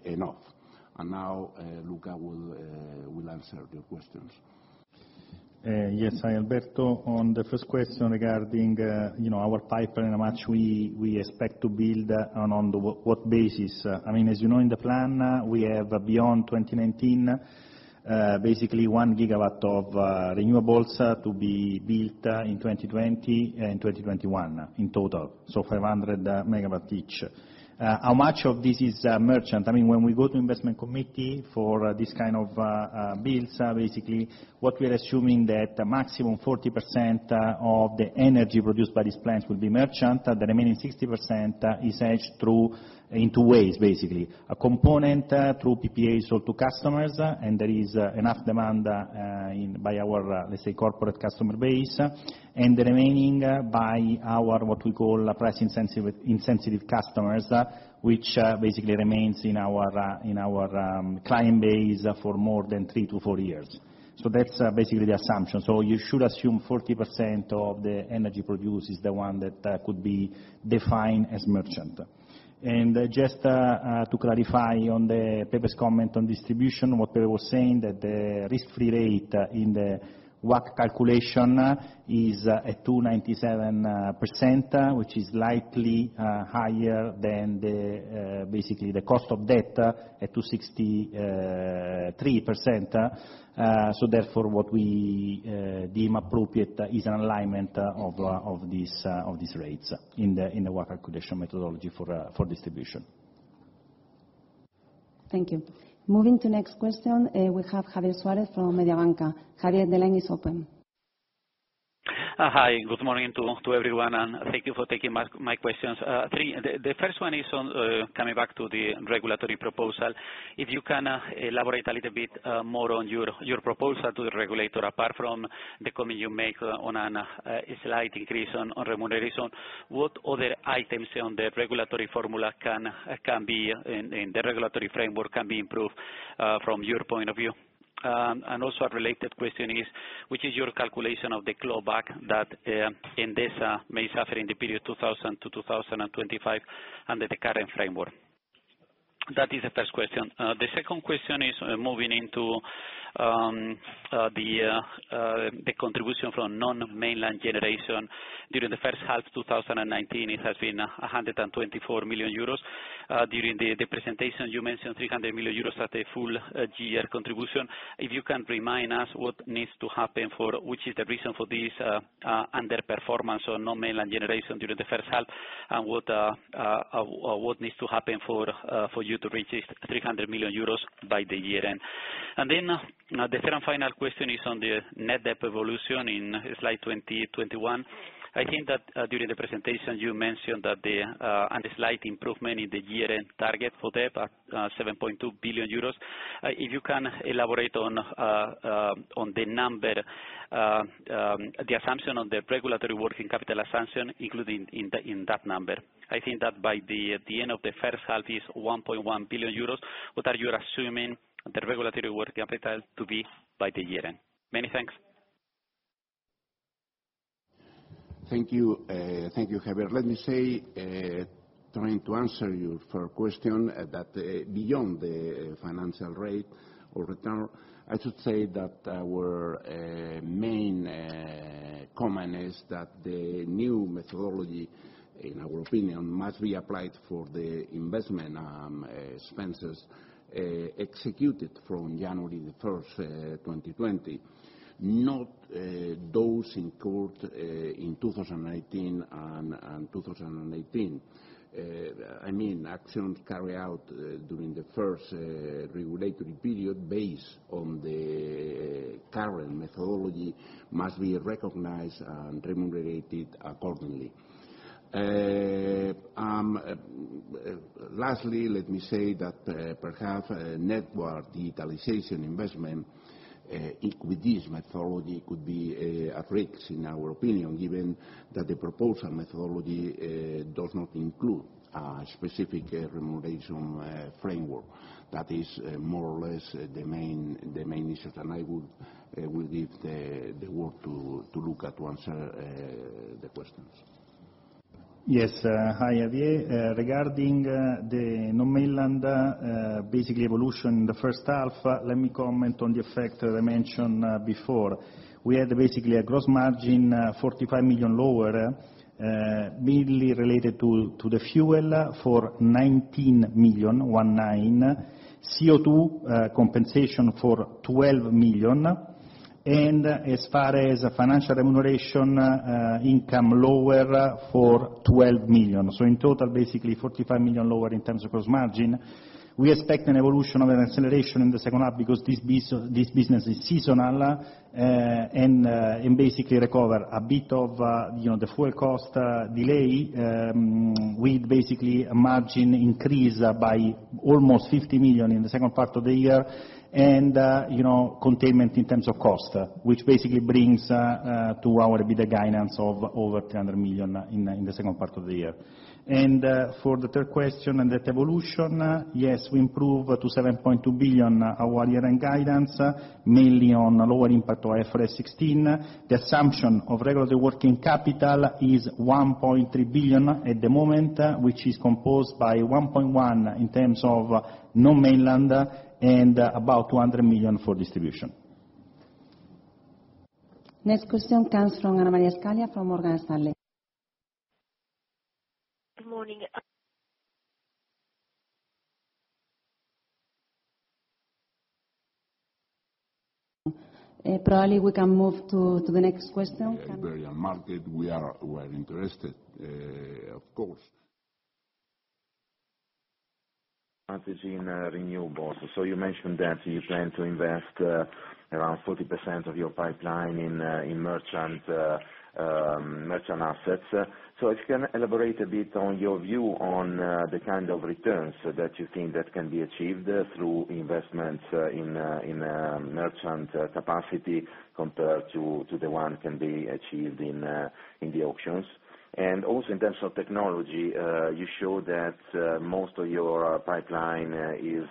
enough. And now, Luca will answer your questions. Yes, hi Alberto. On the first question regarding our pipeline, how much we expect to build and on what basis. I mean, as you know, in the plan, we have beyond 2019, basically 1 GW of renewables to be built in 2020 and 2021 in total, so 500 MW each. How much of this is merchant? I mean, when we go to the investment committee for this kind of builds, basically, what we are assuming that maximum 40% of the energy produced by these plants will be merchant, and the remaining 60% is hedged through in two ways, basically. A component through PPA sold to customers, and there is enough demand by our, let's say, corporate customer base, and the remaining by our what we call price-insensitive customers, which basically remains in our client base for more than three to four years. That's basically the assumption. You should assume 40% of the energy produced is the one that could be defined as merchant. Just to clarify on Pepe's comment on distribution, what Pepe was saying, that the risk-free rate in the WACC calculation is at 2.97%, which is slightly higher than basically the cost of debt at 2.63%. Therefore, what we deem appropriate is an alignment of these rates in the WACC calculation methodology for distribution. Thank you. Moving to the next question, we have Javier Suárez from Mediobanca. Javier, the line is open. Hi, good morning to everyone, and thank you for taking my questions. The first one is coming back to the regulatory proposal. If you can elaborate a little bit more on your proposal to the regulator, apart from the comment you make on a slight increase on remuneration, what other items on the regulatory formula can be in the regulatory framework can be improved from your point of view? And also a related question is, which is your calculation of the clawback that Endesa may suffer in the period 2000 to 2025 under the current framework? That is the first question. The second question is moving into the contribution from non-mainland generation. During the first half of 2019, it has been 124 million euros. During the presentation, you mentioned 300 million euros as the full year contribution. If you can remind us what needs to happen for which is the reason for this underperformance on non-mainland generation during the first half, and what needs to happen for you to reach 300 million euros by the year end? And then the third and final question is on the net debt evolution in slide 2021. I think that during the presentation, you mentioned that the slight improvement in the year-end target for debt at 7.2 billion euros. If you can elaborate on the number, the assumption on the regulatory working capital assumption, including in that number. I think that by the end of the first half is 1.1 billion euros. What are you assuming the regulatory working capital to be by the year end? Many thanks. Thank you, Javier. Let me say, trying to answer your first question that beyond the financial rate or return, I should say that our main comment is that the new methodology, in our opinion, must be applied for the investment expenses executed from January the 1st, 2020, not those incurred in 2019 and 2018. I mean, actions carried out during the first regulatory period based on the current methodology must be recognized and remunerated accordingly. Lastly, let me say that perhaps network digitalization investment with this methodology could be at risk, in our opinion, given that the proposed methodology does not include a specific remuneration framework. That is more or less the main issue, and I will give the word to Luca to answer the questions. Yes, hi Javier. Regarding the non-mainland basically evolution in the first half, let me comment on the effect that I mentioned before. We had basically a gross margin 45 million lower, mainly related to the fuel for 19 million, 1.9, CO2 compensation for 12 million, and as far as financial remuneration, income lower for 12 million. So in total, basically 45 million lower in terms of gross margin. We expect an evolution of an acceleration in the second half because this business is seasonal and basically recover a bit of the fuel cost delay with basically a margin increase by almost 50 million in the second part of the year and containment in terms of cost, which basically brings to our EBITDA the guidance of over 300 million in the second part of the year. And for the third question and that evolution, yes, we improved to 7.2 billion our year-end guidance, mainly on lower impact of IFRS 16. The assumption of regulatory working capital is 1.3 billion at the moment, which is composed by 1.1 billion in terms of non-mainland and about 200 million for distribution. Next question comes from Anna Maria Scaglia from Morgan Stanley. Good morning. Probably we can move to the next question. Iberian market, we are interested, of course. Advantage in renewables. So you mentioned that you plan to invest around 40% of your pipeline in merchant assets. So if you can elaborate a bit on your view on the kind of returns that you think that can be achieved through investments in merchant capacity compared to the one can be achieved in the auctions. And also in terms of technology, you showed that most of your pipeline is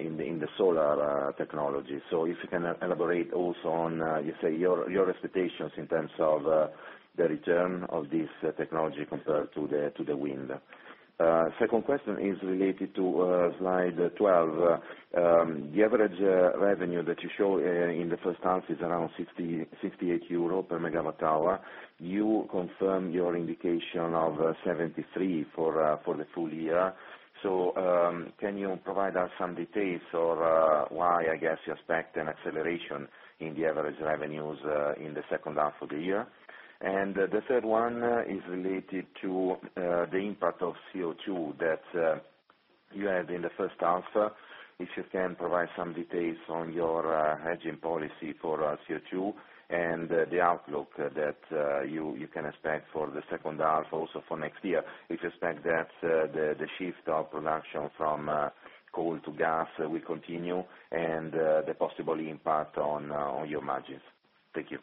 in the solar technology. If you can elaborate also on, you say, your expectations in terms of the return of this technology compared to the wind. Second question is related to slide 12. The average revenue that you show in the first half is around 68 euro per MWh. You confirmed your indication of 73 for the full year. So can you provide us some details of why I guess you expect an acceleration in the average revenues in the second half of the year? And the third one is related to the impact of CO2 that you had in the first half. If you can provide some details on your hedging policy for CO2 and the outlook that you can expect for the second half, also for next year, if you expect that the shift of production from coal to gas will continue and the possible impact on your margins. Thank you.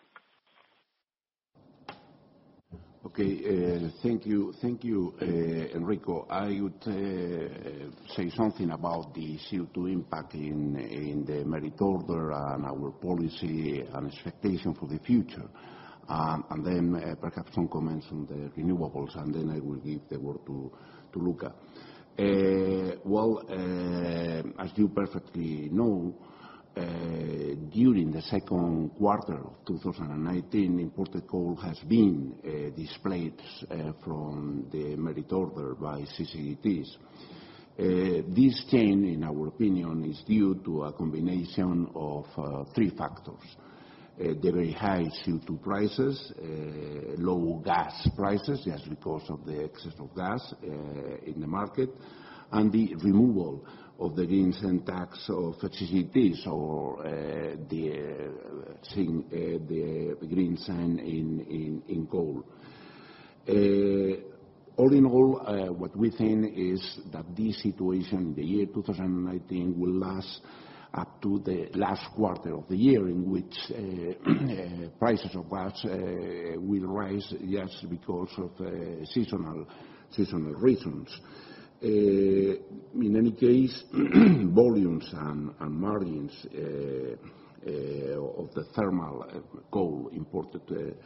Okay, thank you. Thank you, Enrico. I would say something about the CO2 impact in the merit order and our policy and expectation for the future. And then perhaps some comments on the renewables, and then I will give the word to Luca. Well, as you perfectly know, during the second quarter of 2019, imported coal has been displaced from the merit order by CCGTs. This change, in our opinion, is due to a combination of three factors: the very high CO2 prices, low gas prices just because of the excess of gas in the market, and the removal of the Green Cent tax of CCGTs or the Green Cent in coal. All in all, what we think is that this situation in the year 2019 will last up to the last quarter of the year in which prices of gas will rise just because of seasonal reasons. In any case, volumes and margins of the thermal coal imported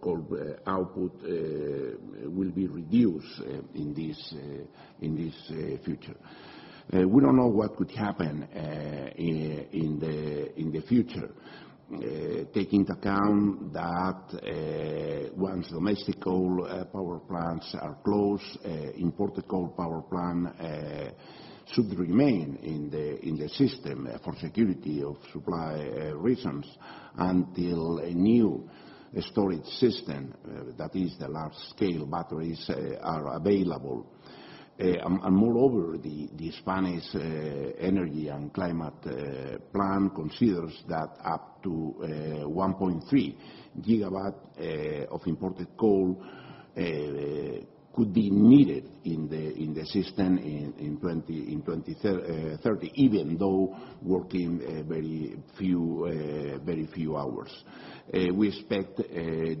coal output will be reduced in the future. We don't know what could happen in the future, taking into account that once domestic coal power plants are closed, imported coal power plant should remain in the system for security of supply reasons until a new storage system, that is, the large-scale batteries, are available, and moreover, the Spanish Energy and Climate Plan considers that up to 1.3 GW of imported coal could be needed in the system in 2030, even though working very few hours. We expect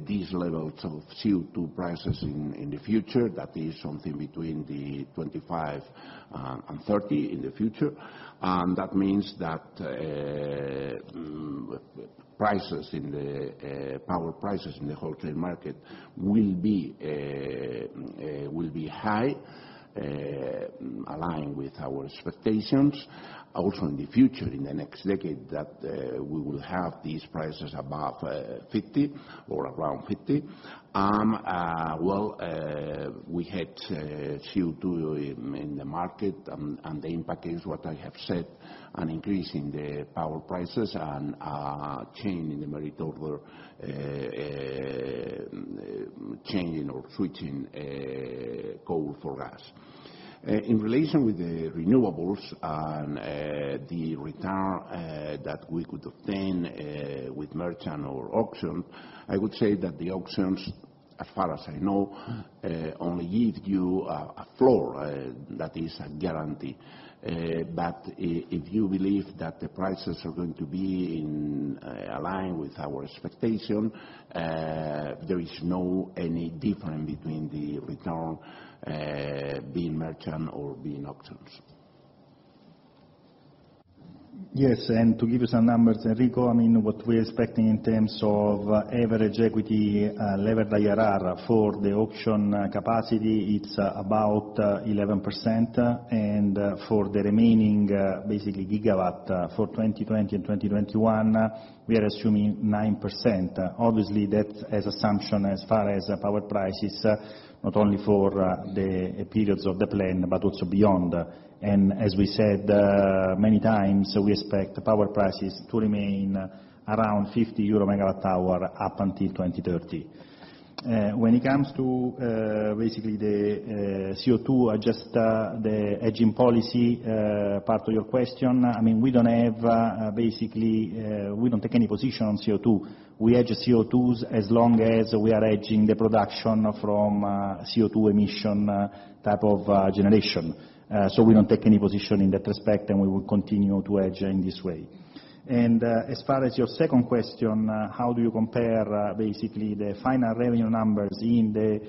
these levels of CO2 prices in the future, that is, something between 25 and 30 in the future, and that means that prices in the power prices in the wholesale market will be high, aligned with our expectations. Also, in the future, in the next decade, that we will have these prices above 50 or around 50. We had CO2 in the market, and the impact is what I have said, an increase in the power prices and change in the merit order, changing or switching coal for gas. In relation with the renewables and the return that we could obtain with merchant or auction, I would say that the auctions, as far as I know, only give you a floor that is a guarantee. But if you believe that the prices are going to be in line with our expectation, there is no any difference between the return being merchant or being auctions. Yes, and to give you some numbers, Enrico, I mean, what we're expecting in terms of average equity level IRR for the auction capacity, it's about 11%. For the remaining basically gigawatt for 2020 and 2021, we are assuming 9%. Obviously, that's an assumption as far as power prices, not only for the periods of the plan, but also beyond. As we said many times, we expect power prices to remain around 50 euro per MWh up until 2030. When it comes to basically the CO2, just the hedging policy part of your question, I mean, basically we don't take any position on CO2. We hedge CO2s as long as we are hedging the production from CO2 emission type of generation. So we don't take any position in that respect, and we will continue to hedge in this way. As far as your second question, how do you compare basically the final revenue numbers in the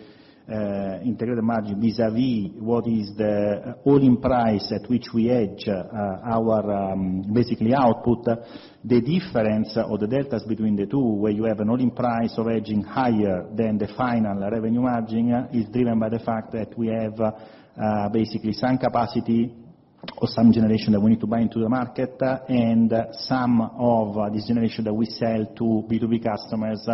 integrated margin vis-à-vis what is the all-in price at which we hedge our basically output, the difference or the deltas between the two where you have an all-in price of hedging higher than the final revenue margin is driven by the fact that we have basically some capacity or some generation that we need to buy into the market and some of this generation that we sell to B2B customers,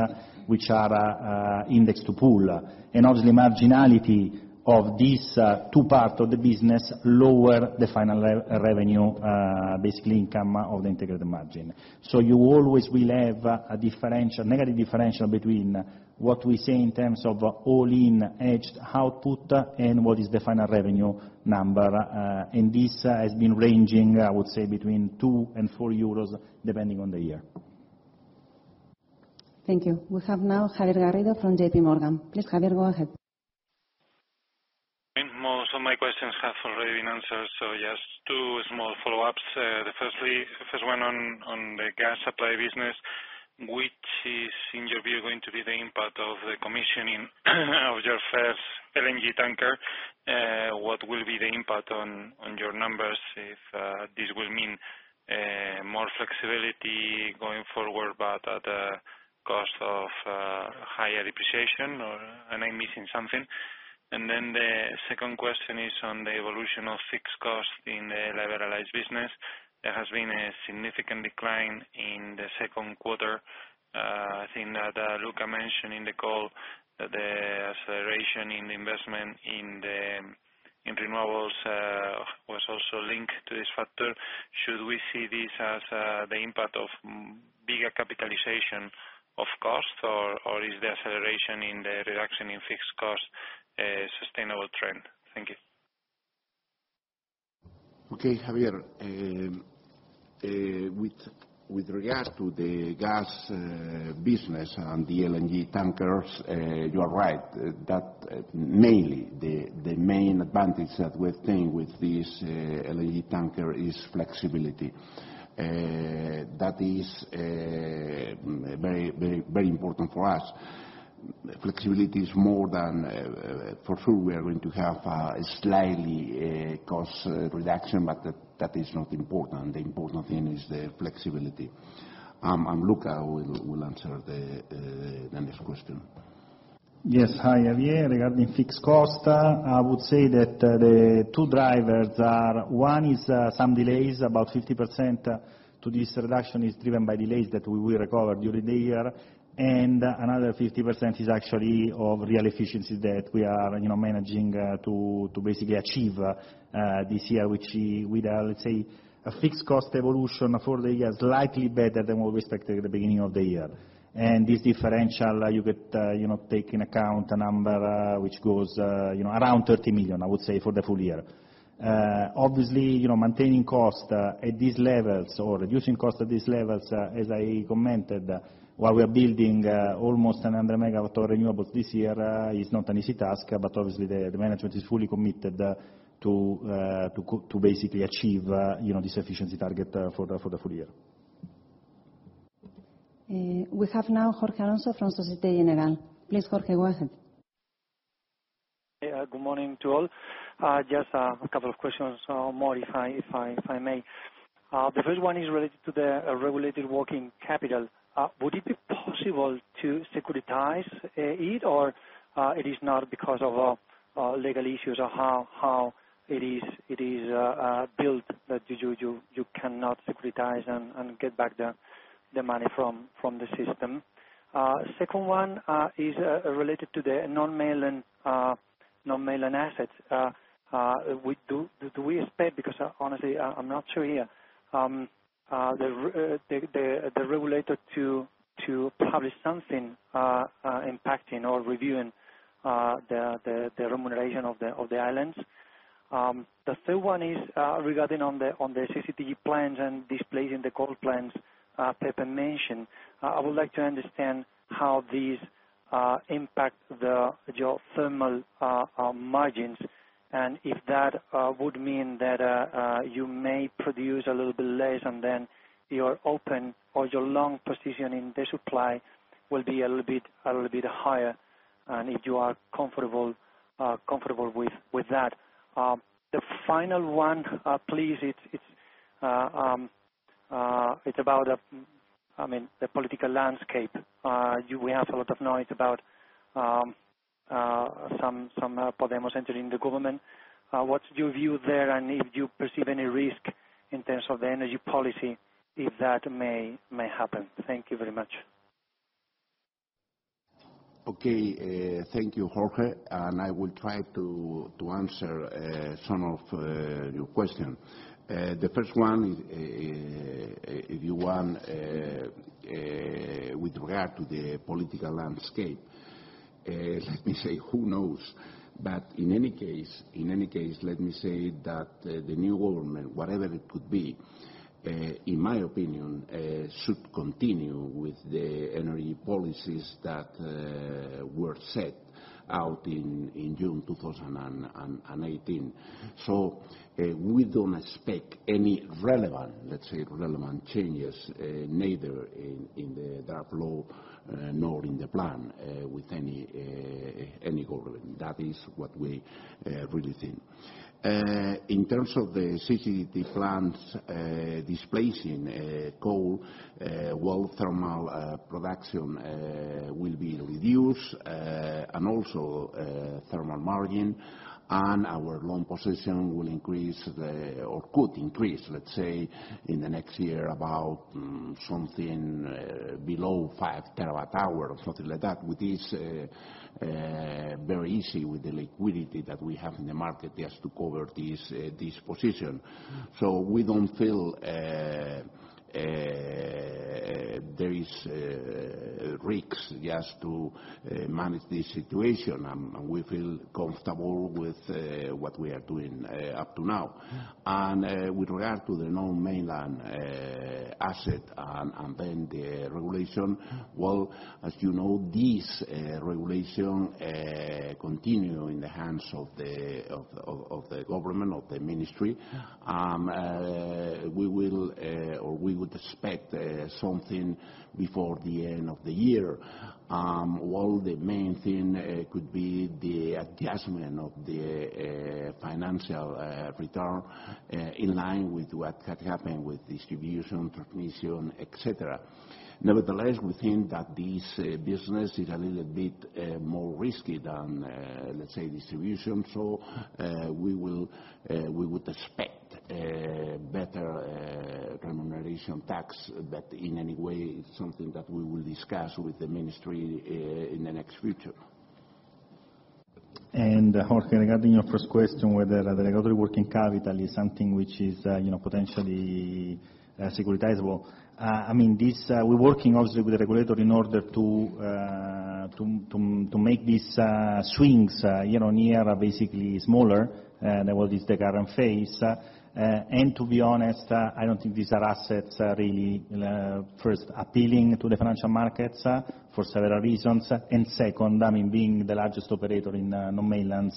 which are indexed to pool. Obviously, marginality of these two parts of the business lower the final revenue, basically income of the integrated margin. You always will have a negative differential between what we say in terms of all-in hedged output and what is the final revenue number. And this has been ranging, I would say, between 2 and 4 euros depending on the year. Thank you. We have now Javier Garrido from JP Morgan. Please, Javier, go ahead. So my questions have already been answered. So just two small follow-ups. The first one on the gas supply business, which is, in your view, going to be the impact of the commissioning of your first LNG tanker, what will be the impact on your numbers? If this will mean more flexibility going forward, but at a cost of higher depreciation or am I missing something? And then the second question is on the evolution of fixed cost in the liberalized business. There has been a significant decline in the second quarter. I think that Luca mentioned in the call that the acceleration in the investment in renewables was also linked to this factor. Should we see this as the impact of bigger capitalization of cost, or is the acceleration in the reduction in fixed cost a sustainable trend? Thank you. Okay, Javier, with regard to the gas business and the LNG tankers, you are right that mainly the main advantage that we obtain with this LNG tanker is flexibility. That is very important for us. Flexibility is more than for sure we are going to have a slightly cost reduction, but that is not important. The important thing is the flexibility. And Luca will answer the next question. Yes, hi Javier. Regarding fixed cost, I would say that the two drivers are one is some delays, about 50% to this reduction is driven by delays that we will recover during the year. Another 50% is actually of real efficiencies that we are managing to basically achieve this year, which we will, let's say, a fixed cost evolution for the year is slightly better than what we expected at the beginning of the year. And this differential, you take into account a number which goes around 30 million, I would say, for the full year. Obviously, maintaining cost at these levels or reducing cost at these levels, as I commented, while we are building almost 100 MW of renewables this year, is not an easy task, but obviously the management is fully committed to basically achieve this efficiency target for the full year. We have now Jorge Alonso from Société Générale. Please, Jorge, go ahead. Good morning to all. Just a couple of questions, maybe if I may. The first one is related to the regulatory working capital. Would it be possible to securitize it, or it is not because of legal issues or how it is built that you cannot securitize and get back the money from the system? Second one is related to the non-mainland assets. Do we expect, because honestly, I'm not sure here, the regulator to publish something impacting or reviewing the remuneration of the islands? The third one is regarding the CCGT plans and displacing the coal plants Pepe mentioned. I would like to understand how these impact your thermal margins and if that would mean that you may produce a little bit less and then your open or your long position in the supply will be a little bit higher and if you are comfortable with that. The final one, please, it's about, I mean, the political landscape. We have a lot of noise about some Podemos entering the government. What's your view there and if you perceive any risk in terms of the energy policy if that may happen? Thank you very much. Okay, thank you, Jorge. And I will try to answer some of your questions. The first one, if you want, with regard to the political landscape, let me say who knows. But in any case, let me say that the new government, whatever it could be, in my opinion, should continue with the energy policies that were set out in June 2018. So we don't expect any relevant, let's say, relevant changes neither in the draft law nor in the plan with any government. That is what we really think. In terms of the CCGT plans displacing coal, well, thermal production will be reduced and also thermal margin and our long position will increase or could increase, let's say, in the next year about something below 5 TWh or something like that. With this, very easy with the liquidity that we have in the market just to cover this position. So we don't feel there is risks just to manage this situation. We feel comfortable with what we are doing up to now. And with regard to the non-mainland asset and then the regulation, well, as you know, this regulation continues in the hands of the government, of the ministry. We will or we would expect something before the end of the year. Well, the main thing could be the adjustment of the financial return in line with what had happened with distribution, transmission, etc. Nevertheless, we think that this business is a little bit more risky than, let's say, distribution, so we would expect better remuneration tax, but in any way, it's something that we will discuss with the ministry in the near future, and Jorge, regarding your first question, whether the regulatory working capital is something which is potentially securitizable. I mean, we're working obviously with the regulator in order to make these swings nearer basically smaller than what is the current practice, and to be honest, I don't think these are assets really first appealing to the financial markets for several reasons, and second, I mean, being the largest operator in non-mainland,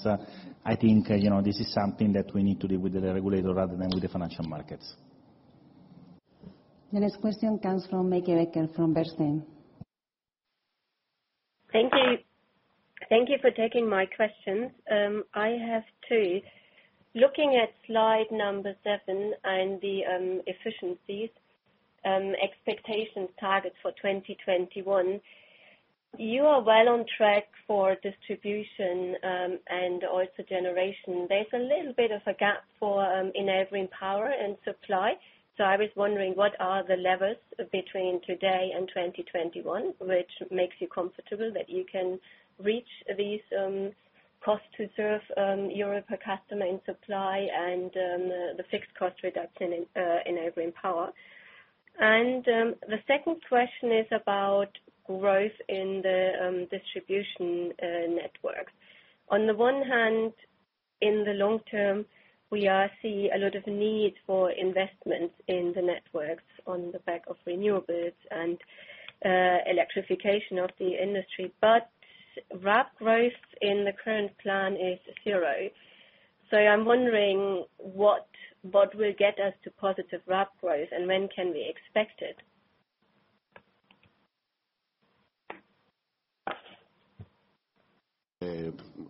I think this is something that we need to deal with the regulator rather than with the financial markets. The next question comes from Meike Becker from Bernstein. Thank you. Thank you for taking my questions. I have two. Looking at slide number seven and the efficiencies expectations target for 2021, you are well on track for distribution and also generation. There's a little bit of a gap for Enel Green Power and supply. So I was wondering what are the levels between today and 2021, which makes you comfortable that you can reach these cost to serve your customer in supply and the fixed cost reduction in Enel Green Power. And the second question is about growth in the distribution network. On the one hand, in the long term, we see a lot of need for investments in the networks on the back of renewables and electrification of the industry, but RAB growth in the current plan is zero. So I'm wondering what will get us to positive RAB growth and when can we expect it?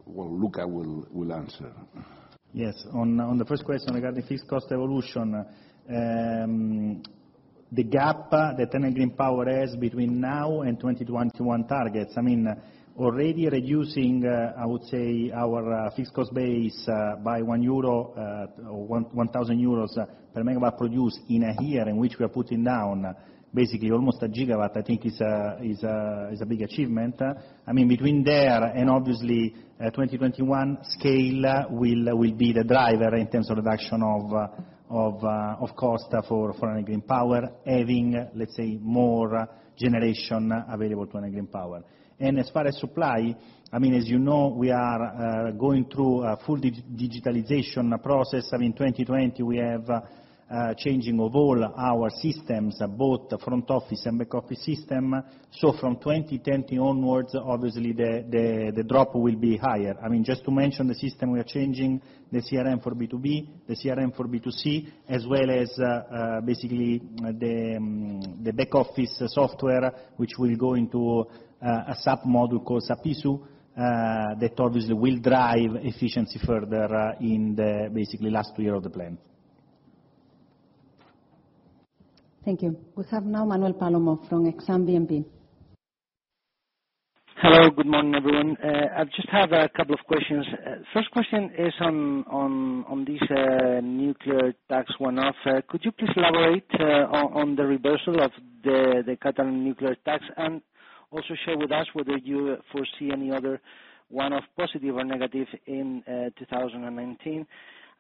Well, Luca will answer. Yes. On the first question regarding fixed cost evolution, the gap that Enel Green Power has between now and 2021 targets, I mean, already reducing, I would say, our fixed cost base by 1 euro or 1,000 euros per MW produced in a year in which we are putting down basically almost a gigawatt, I think is a big achievement. I mean, between there and obviously 2021 scale will be the driver in terms of reduction of cost for Enel Green Power, having, let's say, more generation available to Enel Green Power. And as far as supply, I mean, as you know, we are going through a full digitalization process. I mean, 2020, we have changing of all our systems, both the front office and back office system. So from 2020 onwards, obviously the drop will be higher. I mean, just to mention the system we are changing, the CRM for B2B, the CRM for B2C, as well as basically the back office software, which will go into a submodule called SAP IS-U that obviously will drive efficiency further in the basically last year of the plan. Thank you. We have now Manuel Palomo from Exane BNP Paribas. Hello. Good morning, everyone. I just have a couple of questions. First question is on this nuclear tax one-off. Could you please elaborate on the reversal of the Catalan nuclear tax and also share with us whether you foresee any other one-off positive or negative in 2019,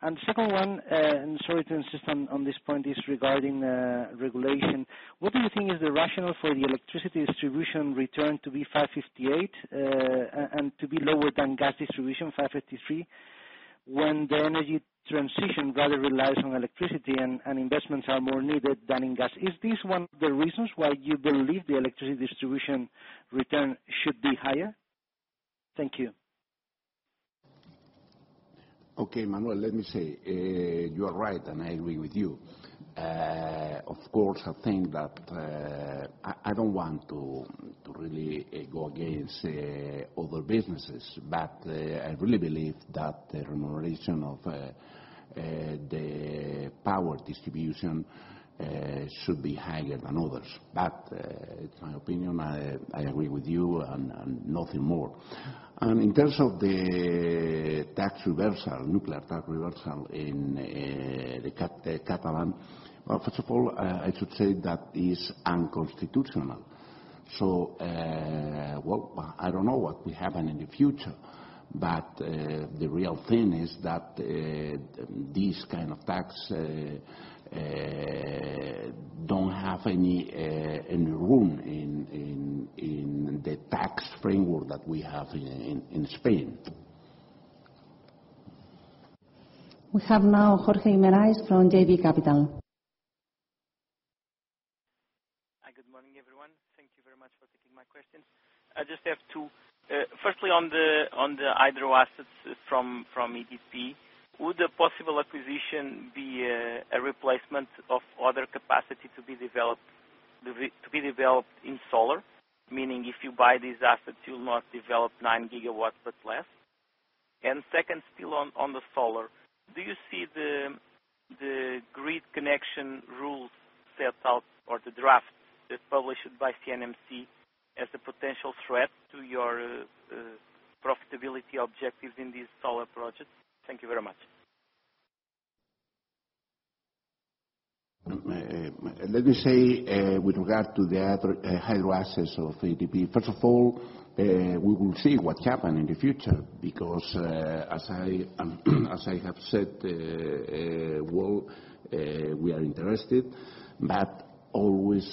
and the second one, and sorry to insist on this point, is regarding regulation. What do you think is the rationale for the electricity distribution return to be 5.58% and to be lower than gas distribution 5.53% when the energy transition rather relies on electricity and investments are more needed than in gas? Is this one of the reasons why you believe the electricity distribution return should be higher? Thank you. Okay, Manuel, let me say you are right and I agree with you. Of course, I think that I don't want to really go against other businesses, but I really believe that the remuneration of the power distribution should be higher than others. But it's my opinion, I agree with you and nothing more. And in terms of the tax reversal, nuclear tax reversal in Catalonia, well, first of all, I should say that is unconstitutional. So I don't know what will happen in the future, but the real thing is that these kinds of tax don't have any room in the tax framework that we have in Spain. We have now Jorge Guimarães from JB Capital Markets. Hi, good morning, everyone. Thank you very much for taking my question. I just have two. Firstly, on the hydro assets from EDP, would a possible acquisition be a replacement of other capacity to be developed in solar, meaning if you buy these assets, you'll not develop 9 GW but less? And second, still on the solar, do you see the grid connection rules set out or the draft published by CNMC as a potential threat to your profitability objectives in these solar projects? Thank you very much. Let me say with regard to the hydro assets of EDP, first of all, we will see what happens in the future because as I have said, well, we are interested, but always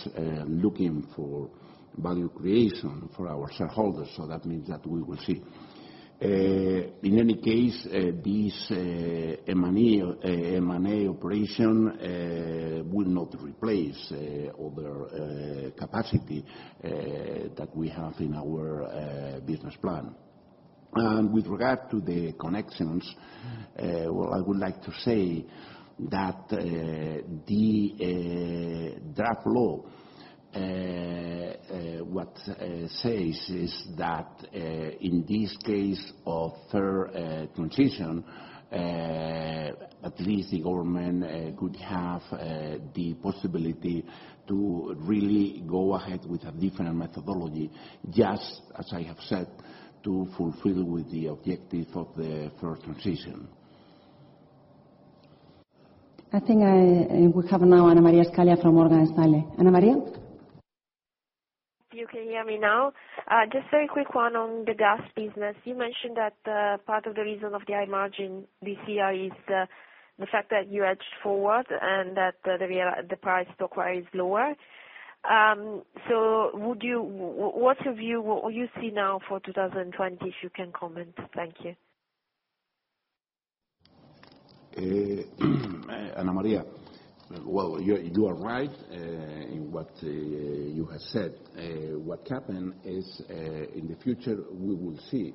looking for value creation for our shareholders. So that means that we will see. In any case, this M&A operation will not replace other capacity that we have in our business plan. And with regard to the connections, well, I would like to say that the draft law, what says is that in this case of third transition, at least the government could have the possibility to really go ahead with a different methodology, just as I have said, to fulfill with the objective of the third transition. I think we have now Anna Maria Scaglia from Morgan Stanley. Anna Maria? You can hear me now? Just very quick one on the gas business. You mentioned that part of the reason of the high margin this year is the fact that you hedged forward and that the spark spread is lower. So what's your view? What do you see now for 2020 if you can comment? Thank you. Anna Maria, well, you are right in what you have said. What happened is in the future we will see.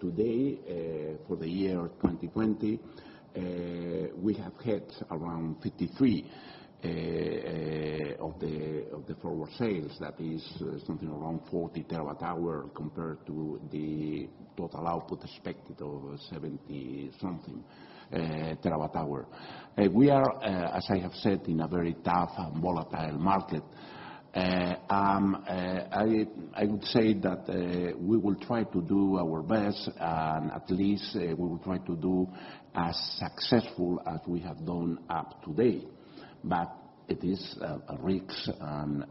Today, for the year 2020, we have hit around 53% of the forward sales. That is something around 40 TWh compared to the total output expected of 70-something terawatt-hour. We are, as I have said, in a very tough and volatile market. I would say that we will try to do our best and at least we will try to do as successful as we have done up to date. But it is a risk and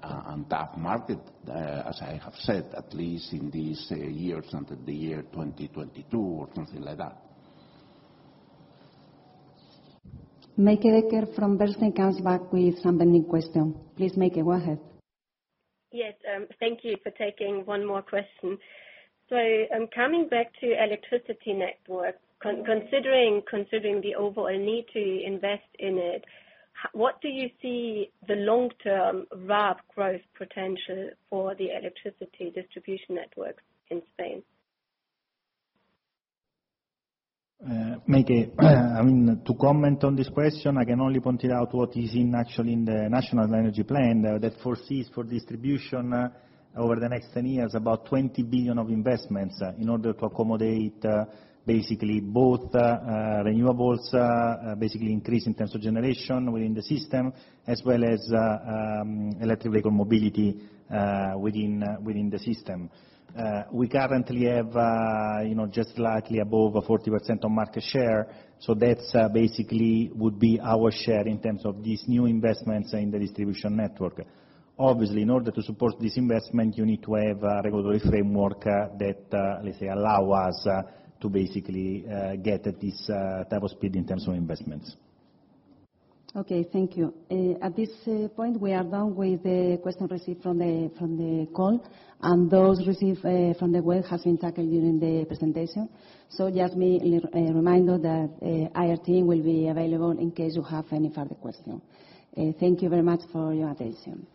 tough market, as I have said, at least in these years until the year 2022 or something like that. Meike Becker from Bernstein comes back with some pending question. Please, Meike, go ahead. Yes. Thank you for taking one more question. So coming back to electricity network, considering the overall need to invest in it, what do you see the long-term rough growth potential for the electricity distribution networks in Spain? Meike, I mean, to comment on this question, I can only point it out what is in actually in the National Energy Plan that foresees for distribution over the next 10 years about 20 billion of investments in order to accommodate basically both renewables, basically increase in terms of generation within the system, as well as electric vehicle mobility within the system. We currently have just slightly above 40% of market share. So that's basically would be our share in terms of these new investments in the distribution network. Obviously, in order to support this investment, you need to have a regulatory framework that, let's say, allow us to basically get at this type of speed in terms of investments. Okay. Thank you. At this point, we are done with the questions received from the call. And those received from the web have been tackled during the presentation. So just a reminder that IR team will be available in case you have any further questions. Thank you very much for your attention.